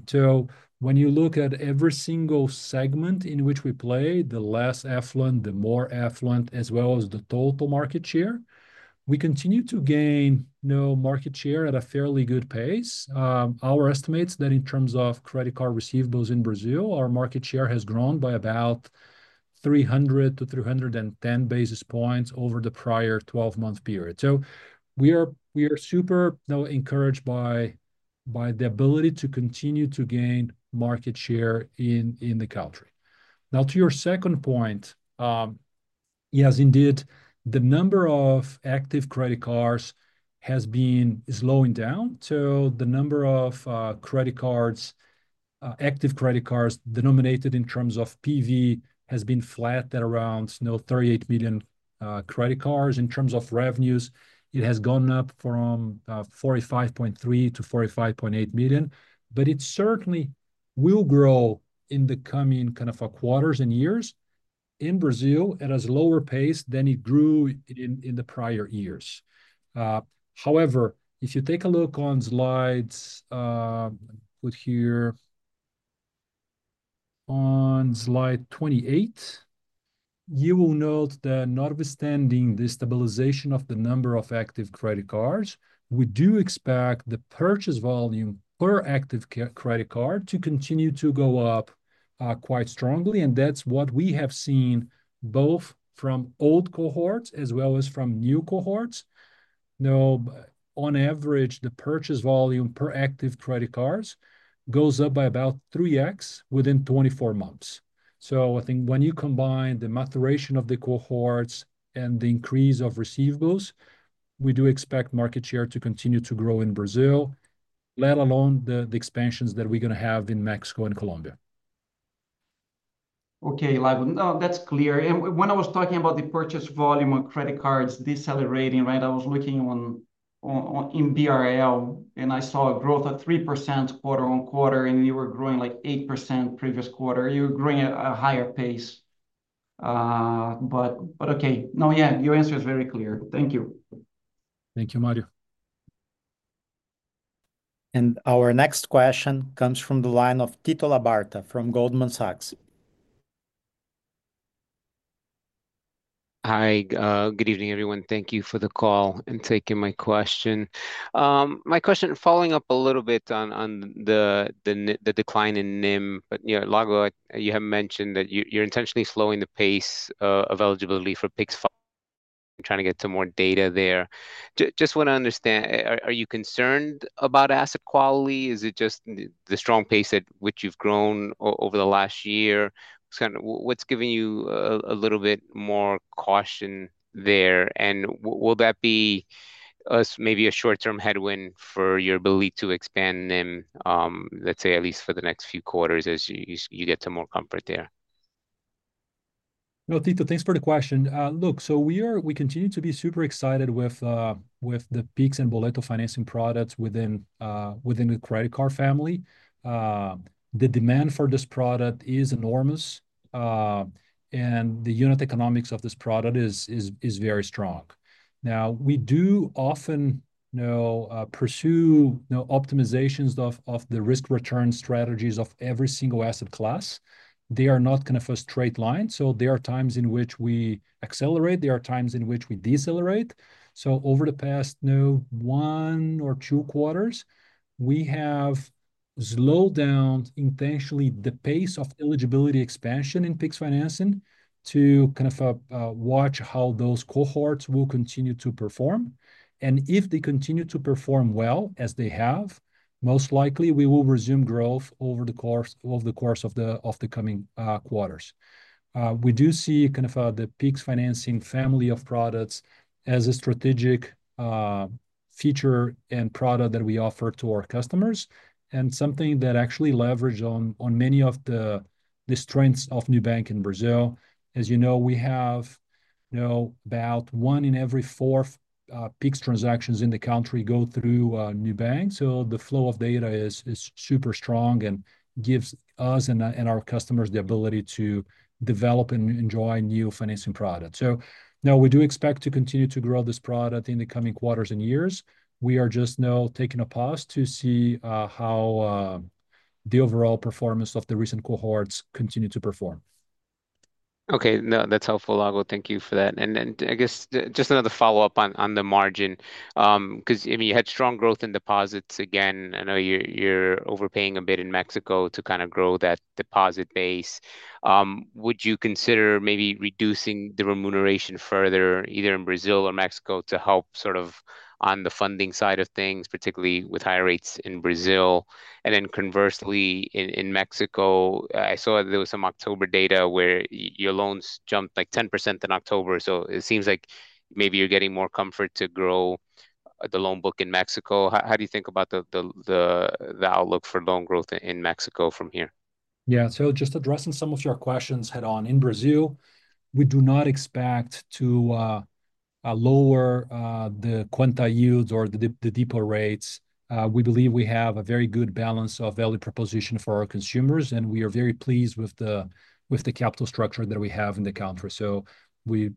So when you look at every single segment in which we play, the less affluent, the more affluent, as well as the total market share, we continue to gain market share at a fairly good pace. Our estimates that in terms of credit card receivables in Brazil, our market share has grown by about 300 to 310 basis points over the prior 12-month period. So we are super encouraged by the ability to continue to gain market share in the country. Now, to your second point, yes, indeed, the number of active credit cards has been slowing down. So the number of active credit cards denominated in terms of PV has been flat at around 38 million credit cards. In terms of revenues, it has gone up from 45.3-45.8 million. But it certainly will grow in the coming kind of quarters and years in Brazil at a slower pace than it grew in the prior years. However, if you take a look on slides, put here on slide 28, you will note that notwithstanding the stabilization of the number of active credit cards, we do expect the purchase volume per active credit card to continue to go up quite strongly, and that's what we have seen both from old cohorts as well as from new cohorts. Now, on average, the purchase volume per active credit cards goes up by about 3X within 24 months. So I think when you combine the maturation of the cohorts and the increase of receivables, we do expect market share to continue to grow in Brazil, let alone the expansions that we're going to have in Mexico and Colombia. Okay, Lago. No, that's clear. And when I was talking about the purchase volume on credit cards decelerating, right, I was looking in BRL, and I saw a growth of 3% quarter on quarter, and you were growing like 8% previous quarter. You were growing at a higher pace. But okay. No, yeah, your answer is very clear. Thank you. Thank you, Mario. And our next question comes from the line of Tito Labarta from Goldman Sachs. Hi, good evening, everyone. Thank you for the call and taking my question. My question following up a little bit on the decline in NIM, but Lago, you have mentioned that you're intentionally slowing the pace of eligibility for Pix, trying to get some more data there. Just want to understand, are you concerned about asset quality? Is it just the strong pace at which you've grown over the last year? What's giving you a little bit more caution there? And will that be maybe a short-term headwind for your ability to expand NIM, let's say, at least for the next few quarters as you get some more comfort there? No, Tito, thanks for the question. Look, so we continue to be super excited with the Pix and Boleto financing products within the credit card family. The demand for this product is enormous, and the unit economics of this product is very strong. Now, we do often pursue optimizations of the risk-return strategies of every single asset class. They are not kind of a straight line. So there are times in which we accelerate. There are times in which we decelerate. So over the past one or two quarters, we have slowed down intentionally the pace of eligibility expansion in Pix financing to kind of watch how those cohorts will continue to perform. And if they continue to perform well as they have, most likely we will resume growth over the course of the coming quarters. We do see kind of the Pix financing family of products as a strategic feature and product that we offer to our customers, and something that actually leveraged on many of the strengths of Nubank in Brazil. As you know, we have about one in every four Pix transactions in the country go through Nubank. So the flow of data is super strong and gives us and our customers the ability to develop and enjoy new financing products. So now we do expect to continue to grow this product in the coming quarters and years. We are just now taking a pause to see how the overall performance of the recent cohorts continues to perform. Okay, no, that's helpful, Lago. Thank you for that, and I guess just another follow-up on the margin, because, I mean, you had strong growth in deposits again. I know you're overpaying a bit in Mexico to kind of grow that deposit base. Would you consider maybe reducing the remuneration further, either in Brazil or Mexico, to help sort of on the funding side of things, particularly with higher rates in Brazil? And then conversely, in Mexico, I saw that there was some October data where your loans jumped like 10% in October. So it seems like maybe you're getting more comfort to grow the loan book in Mexico. How do you think about the outlook for loan growth in Mexico from here? Yeah, so just addressing some of your questions head-on, in Brazil, we do not expect to lower the Conta yields or the deeper rates. We believe we have a very good balance of value proposition for our consumers, and we are very pleased with the capital structure that we have in the country. So we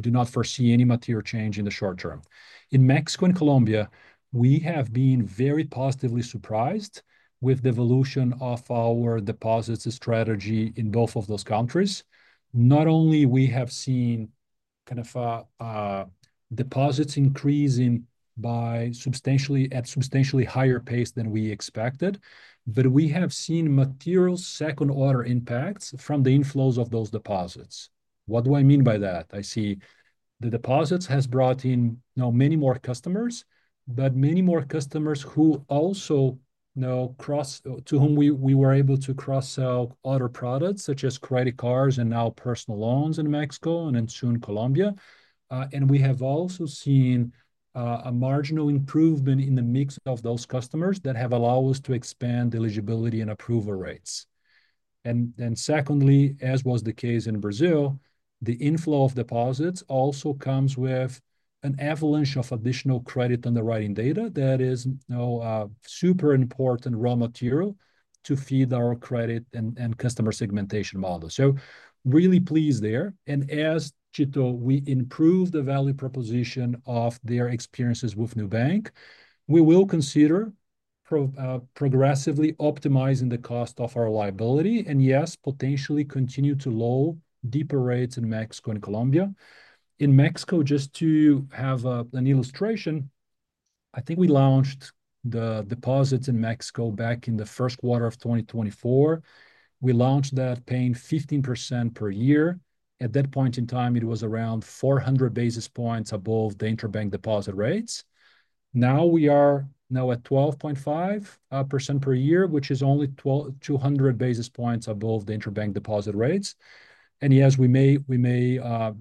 do not foresee any material change in the short term. In Mexico and Colombia, we have been very positively surprised with the evolution of our deposits strategy in both of those countries. Not only have we seen kind of deposits increasing at substantially higher pace than we expected, but we have seen material second-order impacts from the inflows of those deposits. What do I mean by that? I see the deposits have brought in many more customers, but many more customers who also to whom we were able to cross-sell other products, such as credit cards and now personal loans in Mexico and then soon Colombia, and we have also seen a marginal improvement in the mix of those customers that have allowed us to expand eligibility and approval rates, and then secondly, as was the case in Brazil, the inflow of deposits also comes with an avalanche of additional credit underwriting data that is super important raw material to feed our credit and customer segmentation model, so really pleased there. As Tito, we improve the value proposition of their experiences with Nubank, we will consider progressively optimizing the cost of our liabilities and, yes, potentially continue to lower deposit rates in Mexico and Colombia. In Mexico, just to have an illustration, I think we launched the deposits in Mexico back in the first quarter of 2024. We launched that paying 15% per year. At that point in time, it was around 400 basis points above the interbank deposit rates. Now we are at 12.5% per year, which is only 200 basis points above the interbank deposit rates. And, yes, we may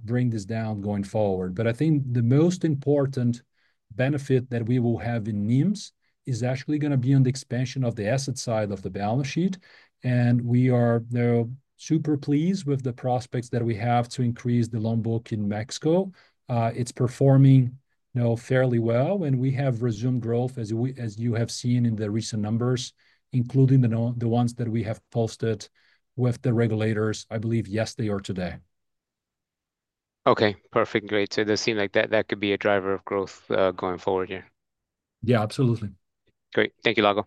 bring this down going forward. But I think the most important benefit that we will have in NIMs is actually going to be on the expansion of the asset side of the balance sheet. And we are super pleased with the prospects that we have to increase the loan book in Mexico. It's performing fairly well, and we have resumed growth, as you have seen in the recent numbers, including the ones that we have posted with the regulators, I believe, yesterday or today. Okay, perfect. Great. So it does seem like that could be a driver of growth going forward here. Yeah, absolutely. Great. Thank you, Lago.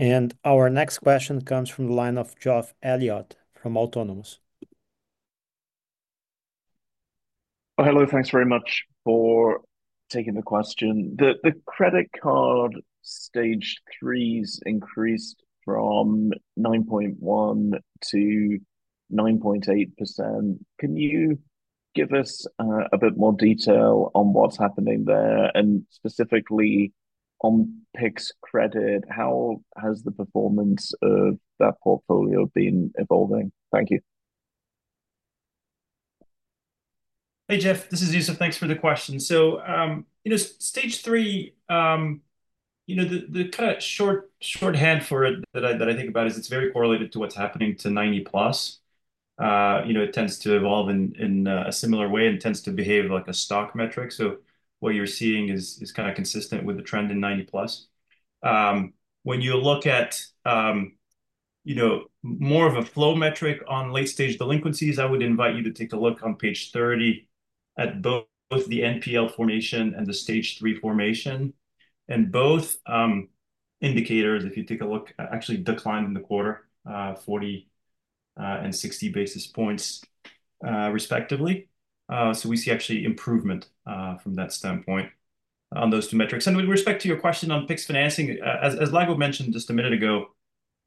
And our next question comes from the line of Geoff Elliott from Autonomous. Hello, thanks very much for taking the question. The credit card Stage 3 has increased from 9.1% to 9.8%. Can you give us a bit more detail on what's happening there? And specifically on Pix credit, how has the performance of that portfolio been evolving? Thank you. Hey, Geoff, this is Youssef. Thanks for the question. Stage 3, the kind of shorthand for it that I think about, is it's very correlated to what's happening to 90+. It tends to evolve in a similar way and tends to behave like a stock metric. So what you're seeing is kind of consistent with the trend in 90+. When you look at more of a flow metric on late-stage delinquencies, I would invite you to take a look on page 30 at both the NPL formation and the Stage 3 formation, and both indicators, if you take a look, actually declined in the quarter, 40 and 60 basis points respectively. So we see actually improvement from that standpoint on those two metrics. With respect to your question on Pix financing, as Lago mentioned just a minute ago,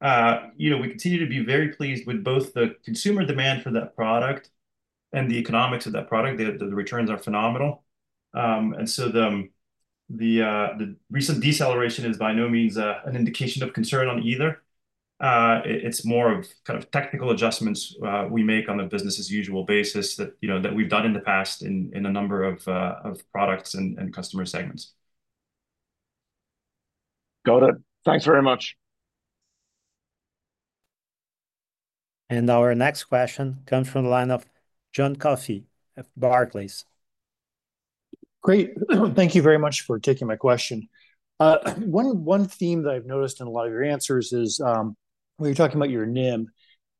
we continue to be very pleased with both the consumer demand for that product and the economics of that product. The returns are phenomenal. So the recent deceleration is by no means an indication of concern on either. It's more of kind of technical adjustments we make on a business-as-usual basis that we've done in the past in a number of products and customer segments. Got it. Thanks very much. Our next question comes from the line of John Coffey, Barclays. Great. Thank you very much for taking my question. One theme that I've noticed in a lot of your answers is when you're talking about your NIM,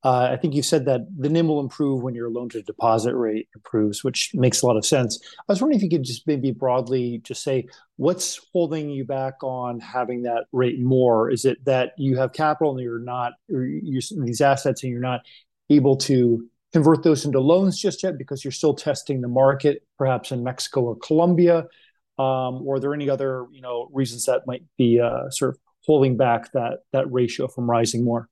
I think you've said that the NIM will improve when your loan-to-deposit rate improves, which makes a lot of sense. I was wondering if you could just maybe broadly just say, what's holding you back on having that rate more? Is it that you have capital and these assets and you're not able to convert those into loans just yet because you're still testing the market, perhaps in Mexico or Colombia? Or are there any other reasons that might be sort of holding back that ratio from rising more?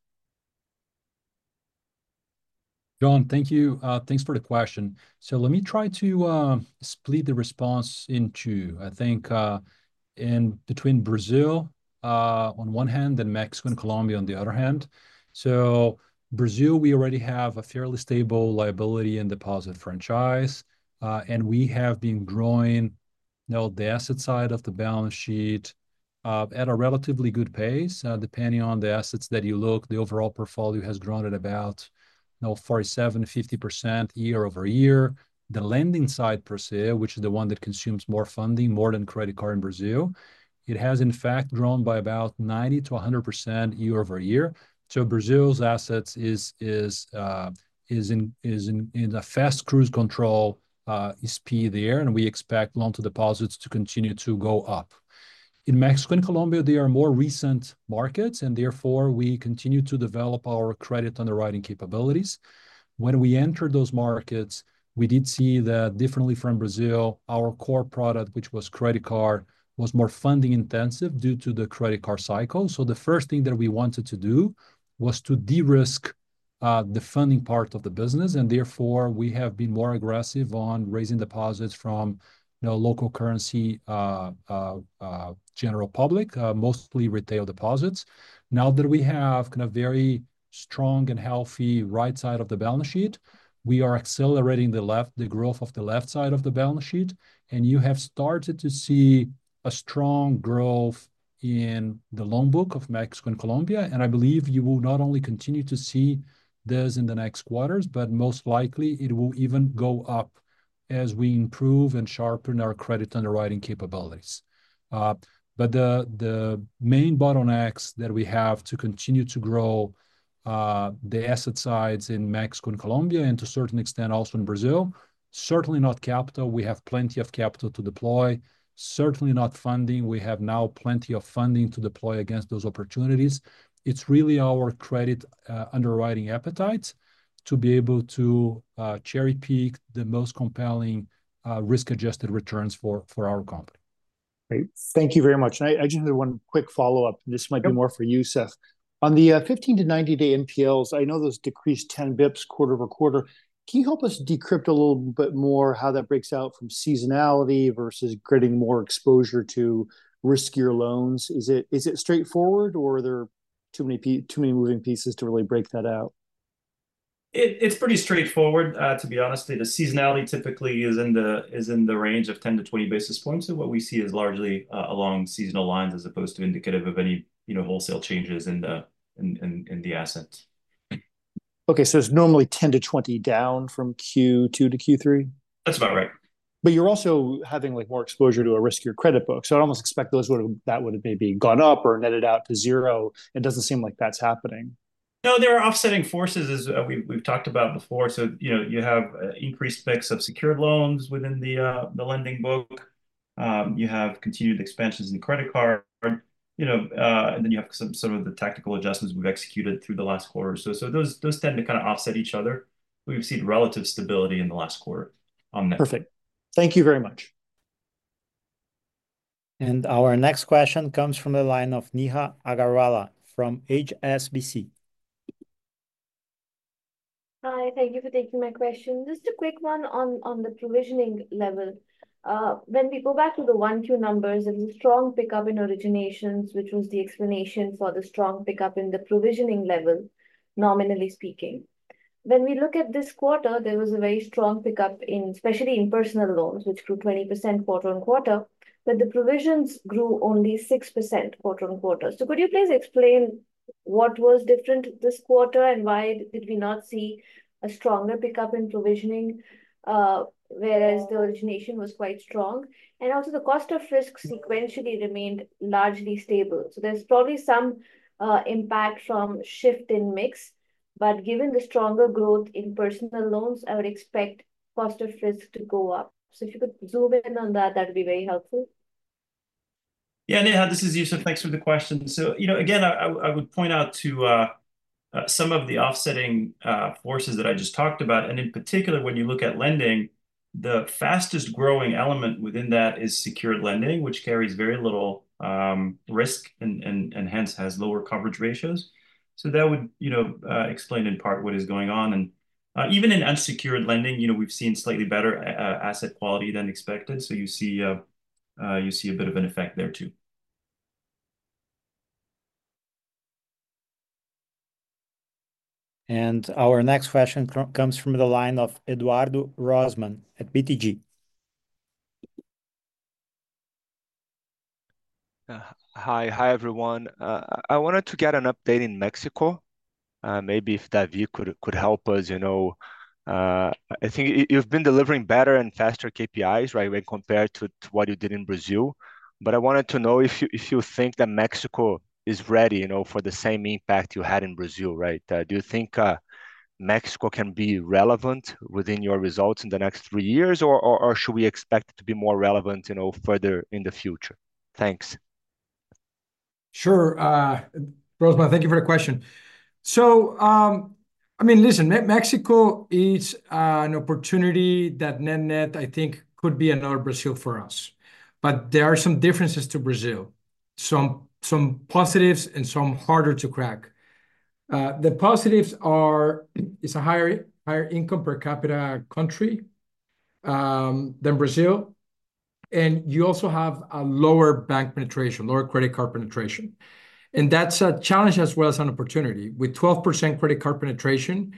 John, thank you. Thanks for the question. So let me try to split the response into, I think, between Brazil on one hand and Mexico and Colombia on the other hand. So Brazil, we already have a fairly stable liability and deposit franchise. And we have been growing the asset side of the balance sheet at a relatively good pace. Depending on the assets that you look, the overall portfolio has grown at about 47%-50% year-over-year. The lending side, per se, which is the one that consumes more funding, more than credit card in Brazil, it has in fact grown by about 90%-100% year-over-year. So Brazil's assets is in a fast cruise control speed there, and we expect loan-to-deposits to continue to go up. In Mexico and Colombia, they are more recent markets, and therefore we continue to develop our credit underwriting capabilities. When we entered those markets, we did see that differently from Brazil, our core product, which was credit card, was more funding intensive due to the credit card cycle. So the first thing that we wanted to do was to de-risk the funding part of the business, and therefore we have been more aggressive on raising deposits from local currency, general public, mostly retail deposits. Now that we have kind of very strong and healthy right side of the balance sheet, we are accelerating the growth of the left side of the balance sheet, and you have started to see a strong growth in the loan book of Mexico and Colombia, and I believe you will not only continue to see this in the next quarters, but most likely it will even go up as we improve and sharpen our credit underwriting capabilities, but the main bottlenecks that we have to continue to grow the asset sides in Mexico and Colombia, and to a certain extent also in Brazil, certainly not capital. We have plenty of capital to deploy. Certainly not funding. We have now plenty of funding to deploy against those opportunities. It's really our credit underwriting appetite to be able to cherry-pick the most compelling risk-adjusted returns for our company. Great. Thank you very much. I just have one quick follow-up. This might be more for Youssef. On the 15-90-day NPLs, I know those decrease 10 basis points quarter over quarter. Can you help us unpack a little bit more how that breaks out from seasonality versus getting more exposure to riskier loans? Is it straightforward, or are there too many moving pieces to really break that out? It's pretty straightforward, to be honest. The seasonality typically is in the range of 10-20 basis points. And what we see is largely along seasonal lines as opposed to indicative of any wholesale changes in the assets. Okay, so it's normally 10-20 down from Q2 to Q3? That's about right. But you're also having more exposure to a riskier credit book. So I almost expect that would have maybe gone up or netted out to zero. It doesn't seem like that's happening. No, there are offsetting forces, as we've talked about before. So you have increased mix of secured loans within the lending book. You have continued expansions in credit card. And then you have some sort of the tactical adjustments we've executed through the last quarter. So those tend to kind of offset each other. We've seen relative stability in the last quarter on that. Perfect. Thank you very much. And our next question comes from the line of Neha Agarwala from HSBC. Hi, thank you for taking my question. Just a quick one on the provisioning level. When we go back to the 1Q numbers, there was a strong pickup in originations, which was the explanation for the strong pickup in the provisioning level, nominally speaking. When we look at this quarter, there was a very strong pickup, especially in personal loans, which grew 20% quarter on quarter, but the provisions grew only 6% quarter on quarter. So could you please explain what was different this quarter and why did we not see a stronger pickup in provisioning, whereas the origination was quite strong? And also, the cost of risk sequentially remained largely stable. So there's probably some impact from shift in mix. But given the stronger growth in personal loans, I would expect cost of risk to go up. So if you could zoom in on that, that would be very helpful. Yeah, Neha, this is Youssef. Thanks for the question. So again, I would point out to some of the offsetting forces that I just talked about. In particular, when you look at lending, the fastest growing element within that is secured lending, which carries very little risk and hence has lower coverage ratios. That would explain in part what is going on. Even in unsecured lending, we've seen slightly better asset quality than expected. You see a bit of an effect there too. Our next question comes from the line of Eduardo Rosman at BTG. Hi, hi everyone. I wanted to get an update in Mexico. Maybe if David could help us. I think you've been delivering better and faster KPIs when compared to what you did in Brazil. I wanted to know if you think that Mexico is ready for the same impact you had in Brazil, right? Do you think Mexico can be relevant within your results in the next three years, or should we expect it to be more relevant further in the future? Thanks. Sure. Rosman, thank you for the question. So I mean, listen, Mexico is an opportunity that Nubank, I think, could be another Brazil for us. But there are some differences to Brazil. Some positives and some harder to crack. The positives are it's a higher income per capita country than Brazil. And you also have a lower bank penetration, lower credit card penetration. And that's a challenge as well as an opportunity. With 12% credit card penetration,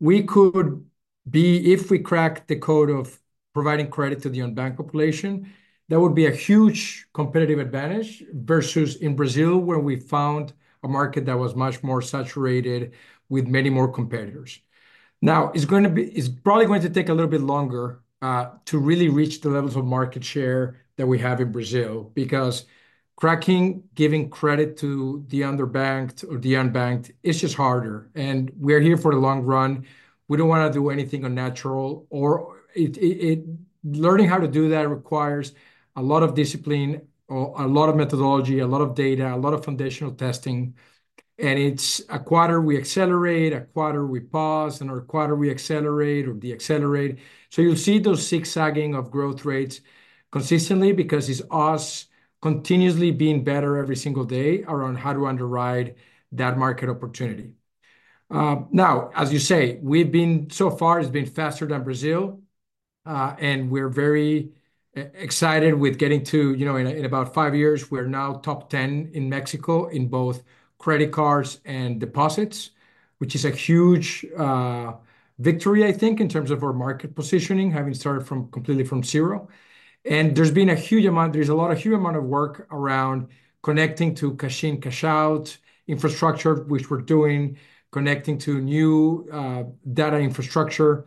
we could be, if we crack the code of providing credit to the unbanked population, that would be a huge competitive advantage versus in Brazil where we found a market that was much more saturated with many more competitors. Now, it's probably going to take a little bit longer to really reach the levels of market share that we have in Brazil because cracking, giving credit to the underbanked or the unbanked, it's just harder, and we're here for the long run. We don't want to do anything unnatural. Learning how to do that requires a lot of discipline, a lot of methodology, a lot of data, a lot of foundational testing, and it's a quarter we accelerate, a quarter we pause, another quarter we accelerate, or de-accelerate, so you'll see those zigzagging of growth rates consistently because it's us continuously being better every single day around how to underwrite that market opportunity. Now, as you say, we've been, so far, it's been faster than Brazil. We're very excited with getting to, in about five years, we're now top 10 in Mexico in both credit cards and deposits, which is a huge victory, I think, in terms of our market positioning, having started completely from zero. There's been a huge amount of work around connecting to cash in, cash out infrastructure, which we're doing, connecting to new data infrastructure.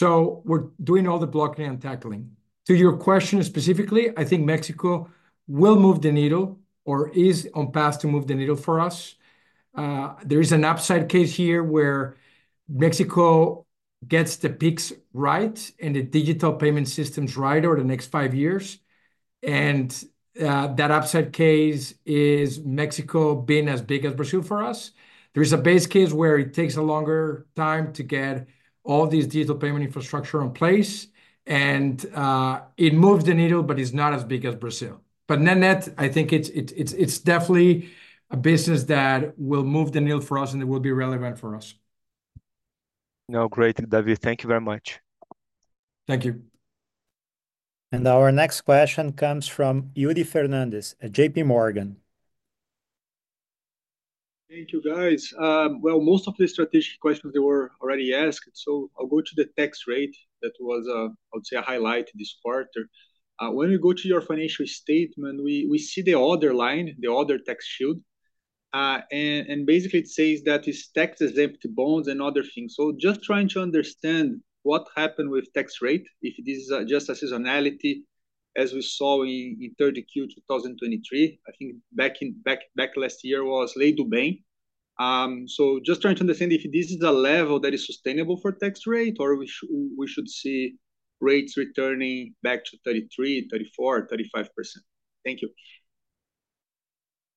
We're doing all the blocking and tackling. To your question specifically, I think Mexico will move the needle or is on path to move the needle for us. There is an upside case here where Mexico gets the Pix right and the digital payment systems right over the next five years. That upside case is Mexico being as big as Brazil for us. There is a base case where it takes a longer time to get all these digital payment infrastructure in place. And it moves the needle, but it's not as big as Brazil. But in net, I think it's definitely a business that will move the needle for us and it will be relevant for us. No, great. David, thank you very much. Thank you. And our next question comes from Yuri Fernandes at JP Morgan. Thank you, guys. Well, most of the strategic questions they were already asked. So I'll go to the tax rate that was, I would say, a highlight this quarter. When we go to your financial statement, we see the other line, the other tax shield. And basically, it says that it's tax-exempt bonds and other things. So just trying to understand what happened with tax rate, if this is just a seasonality as we saw in 3Q 2023, I think back last year was likely to be. So just trying to understand if this is a level that is sustainable for tax rate or we should see rates returning back to 33%-35%. Thank you.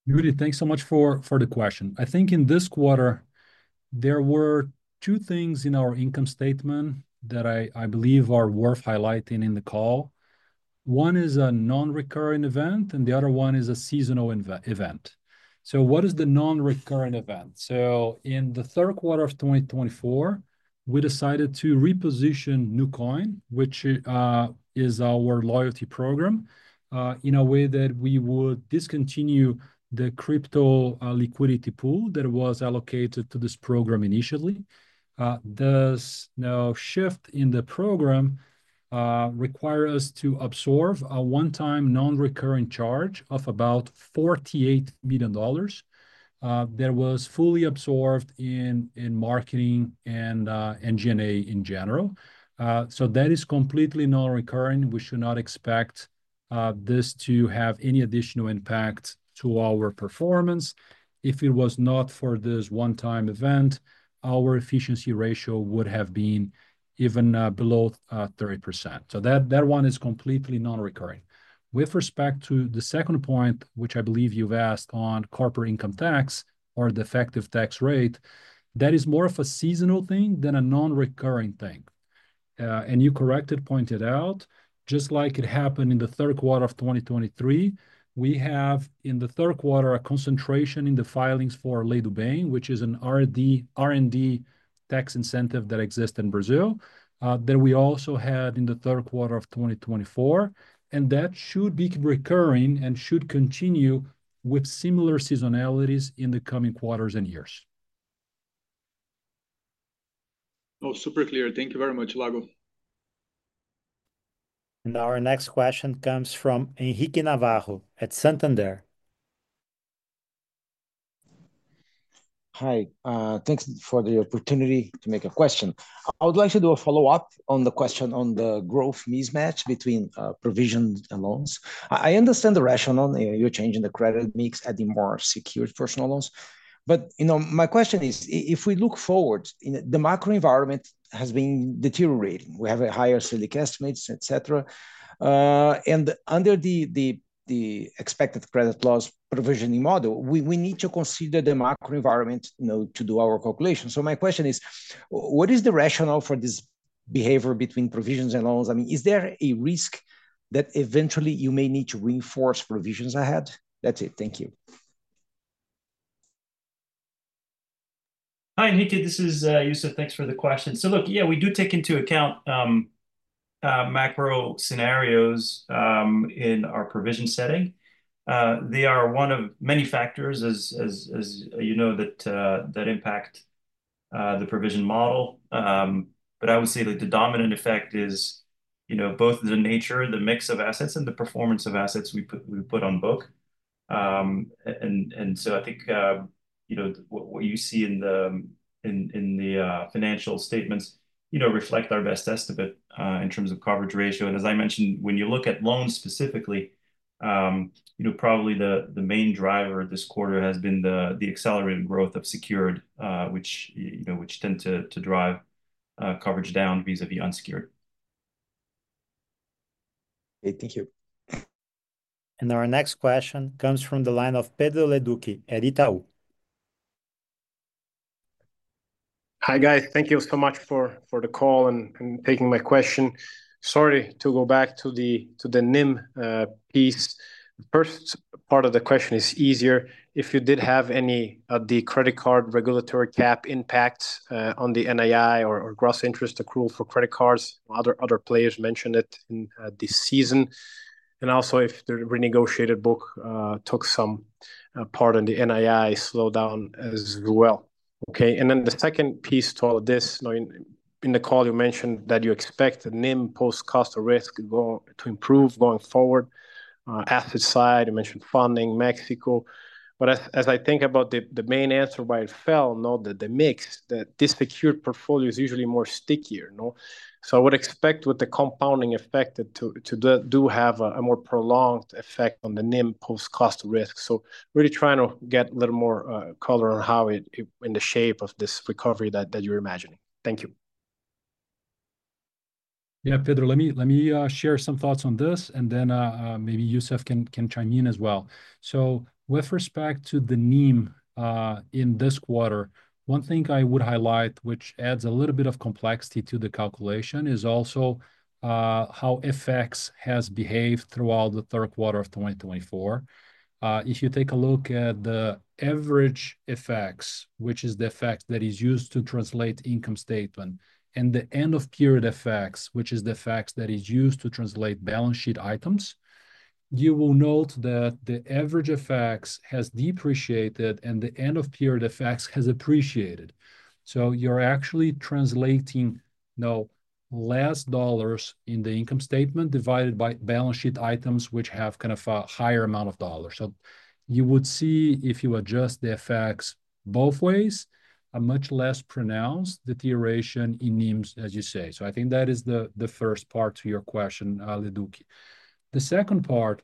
Yuri, thanks so much for the question. I think in this quarter, there were two things in our income statement that I believe are worth highlighting in the call. One is a non-recurring event, and the other one is a seasonal event. So what is the non-recurring event? So in the third quarter of 2024, we decided to reposition Nucoin, which is our loyalty program, in a way that we would discontinue the crypto liquidity pool that was allocated to this program initially. This now shift in the program requires us to absorb a one-time non-recurring charge of about $48 million that was fully absorbed in marketing and G&A in general. So that is completely non-recurring. We should not expect this to have any additional impact to our performance. If it was not for this one-time event, our efficiency ratio would have been even below 30%. So that one is completely non-recurring. With respect to the second point, which I believe you've asked on corporate income tax or the effective tax rate, that is more of a seasonal thing than a non-recurring thing. And you correctly pointed out, just like it happened in the third quarter of 2023, we have in the third quarter a concentration in the filings for Lei do Bem, which is an R&D tax incentive that exists in Brazil that we also had in the third quarter of 2024. That should be recurring and should continue with similar seasonalities in the coming quarters and years. Oh, super clear. Thank you very much, Lago. And our next question comes from Henrique Navarro at Santander. Hi, thanks for the opportunity to make a question. I would like to do a follow-up on the question on the growth mismatch between provision and loans. I understand the rationale in your change in the credit mix, adding more secured personal loans. But my question is, if we look forward, the macro environment has been deteriorating. We have higher Selic estimates, etc. And under the expected credit loss provisioning model, we need to consider the macro environment to do our calculation. So my question is, what is the rationale for this behavior between provisions and loans? I mean, is there a risk that eventually you may need to reinforce provisions ahead? That's it. Thank you. Hi, Henrique. This is Youssef. Thanks for the question. So look, yeah, we do take into account macro scenarios in our provision setting. They are one of many factors, as you know, that impact the provision model. But I would say that the dominant effect is both the nature, the mix of assets, and the performance of assets we put on book. And so I think what you see in the financial statements reflect our best estimate in terms of coverage ratio. And as I mentioned, when you look at loans specifically, probably the main driver this quarter has been the accelerated growth of secured, which tend to drive coverage down vis-à-vis unsecured. Okay, thank you. And our next question comes from the line of Pedro Leduc, Itaú BBA. Hi, guys. Thank you so much for the call and taking my question. Sorry to go back to the NIM piece. The first part of the question is easier. If you did have any of the credit card regulatory cap impacts on the NII or gross interest accrual for credit cards, other players mentioned it in this season. And also, if the renegotiated book took some part in the NII slowdown as well. Okay. And then the second piece to all of this, in the call, you mentioned that you expect the NIM post-cost of risk to improve going forward. Asset side, you mentioned funding, Mexico. But as I think about the main answer, why it fell, the mix, that this secured portfolio is usually more stickier. So I would expect with the compounding effect to do have a more prolonged effect on the NIM post-cost risk. So really trying to get a little more color on how it in the shape of this recovery that you're imagining. Thank you. Yeah, Pedro, let me share some thoughts on this, and then maybe Youssef can chime in as well. So with respect to the NIM in this quarter, one thing I would highlight, which adds a little bit of complexity to the calculation, is also how FX has behaved throughout the third quarter of 2024. If you take a look at the average FX, which is the effect that is used to translate income statement, and the end-of-period FX, which is the effect that is used to translate balance sheet items, you will note that the average FX has depreciated and the end-of-period FX has appreciated. So you're actually translating less dollars in the income statement divided by balance sheet items which have kind of a higher amount of dollars. So you would see if you adjust the FX both ways, a much less pronounced deterioration in NIMs, as you say. So I think that is the first part to your question, Pedro Leduc. The second part,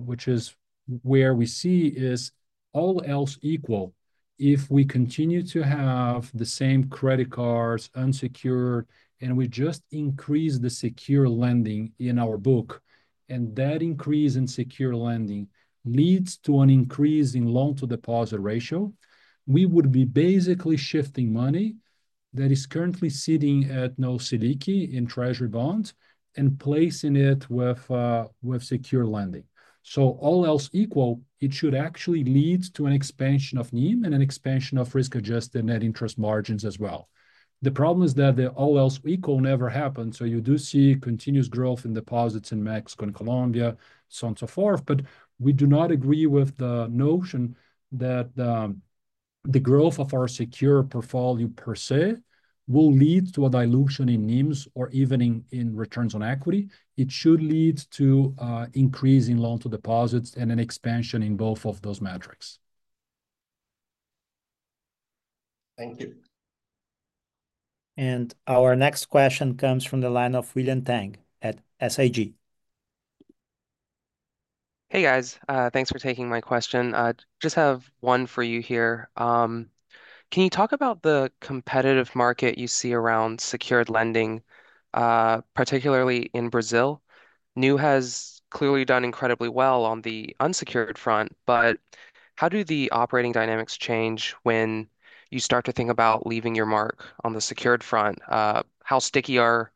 which is where we see, is all else equal if we continue to have the same credit cards unsecured and we just increase the secured lending in our book, and that increase in secured lending leads to an increase in loan-to-deposit ratio. We would be basically shifting money that is currently sitting at no CDI in treasury bonds and placing it with secured lending. So all else equal, it should actually lead to an expansion of NIM and an expansion of risk-adjusted net interest margins as well. The problem is that the all else equal never happened. So you do see continuous growth in deposits in Mexico and Colombia, so on and so forth. But we do not agree with the notion that the growth of our secured portfolio per se will lead to a dilution in NIMs or even in returns on equity. It should lead to an increase in loan-to-deposits and an expansion in both of those metrics. Thank you. And our next question comes from the line of Will Tang at SIG. Hey, guys. Thanks for taking my question. Just have one for you here. Can you talk about the competitive market you see around secured lending, particularly in Brazil? Nu has clearly done incredibly well on the unsecured front, but how do the operating dynamics change when you start to think about leaving your mark on the secured front? How sticky are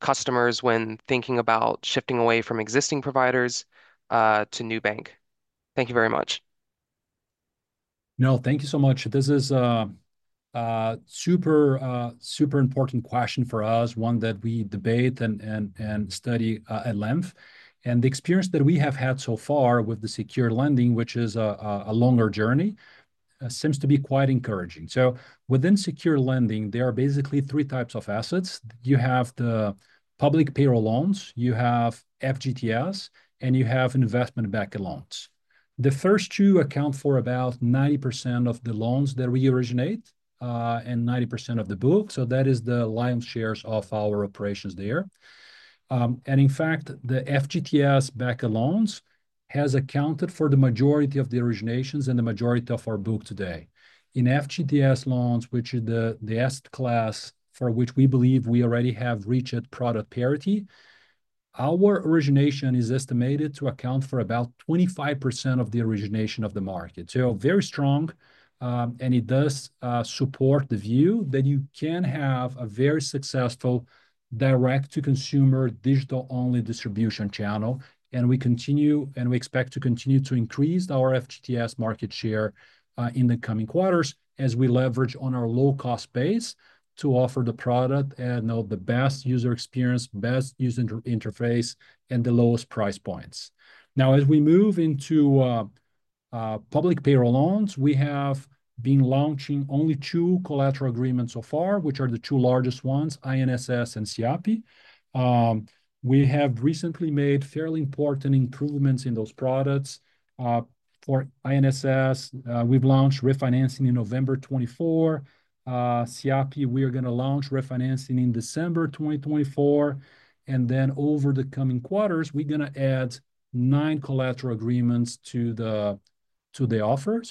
customers when thinking about shifting away from existing providers to Nubank? Thank you very much. No, thank you so much. This is a super important question for us, one that we debate and study at length. The experience that we have had so far with the secured lending, which is a longer journey, seems to be quite encouraging. Within secured lending, there are basically three types of assets. You have the public payroll loans, you have FGTS, and you have investment-backed loans. The first two account for about 90% of the loans that we originate and 90% of the book. That is the lion's share of our operations there. In fact, the FGTS-backed loans has accounted for the majority of the originations and the majority of our book today. In FGTS loans, which is the asset class for which we believe we already have reached product parity, our origination is estimated to account for about 25% of the origination of the market. So very strong. It does support the view that you can have a very successful direct-to-consumer digital-only distribution channel. We continue and we expect to continue to increase our FGTS market share in the coming quarters as we leverage on our low-cost base to offer the product and the best user experience, best user interface, and the lowest price points. Now, as we move into public payroll loans, we have been launching only two collateral agreements so far, which are the two largest ones, INSS and SIAPE. We have recently made fairly important improvements in those products. For INSS, we've launched refinancing in November 2024. SIAPE, we are going to launch refinancing in December 2024. Then over the coming quarters, we're going to add nine collateral agreements to the offer.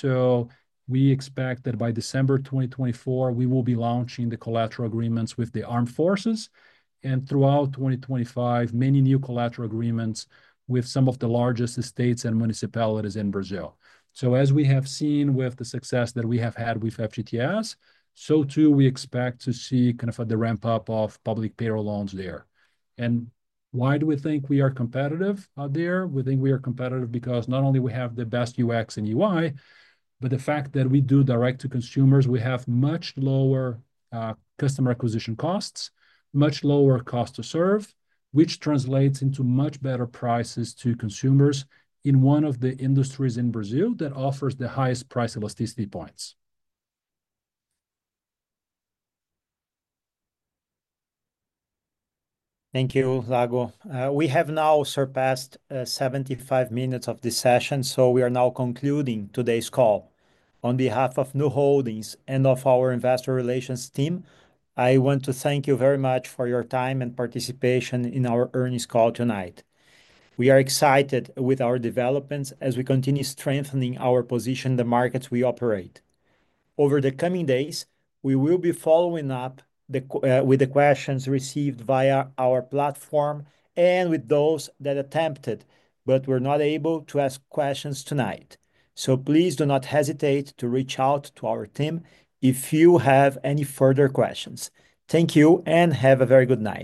We expect that by December 2024, we will be launching the collateral agreements with the Armed Forces. Throughout 2025, many new collateral agreements with some of the largest states and municipalities in Brazil. As we have seen with the success that we have had with FGTS, so too, we expect to see kind of the ramp-up of public payroll loans there. Why do we think we are competitive out there? We think we are competitive because not only do we have the best UX and UI, but the fact that we do direct-to-consumers, we have much lower customer acquisition costs, much lower cost to serve, which translates into much better prices to consumers in one of the industries in Brazil that offers the highest price elasticity points. Thank you, Lago. We have now surpassed 75 minutes of this session, so we are now concluding today's call. On behalf of Nu Holdings and of our investor relations team, I want to thank you very much for your time and participation in our earnings call tonight. We are excited with our developments as we continue strengthening our position in the markets we operate. Over the coming days, we will be following up with the questions received via our platform and with those that attempted but were not able to ask questions tonight. So please do not hesitate to reach out to our team if you have any further questions. Thank you and have a very good night.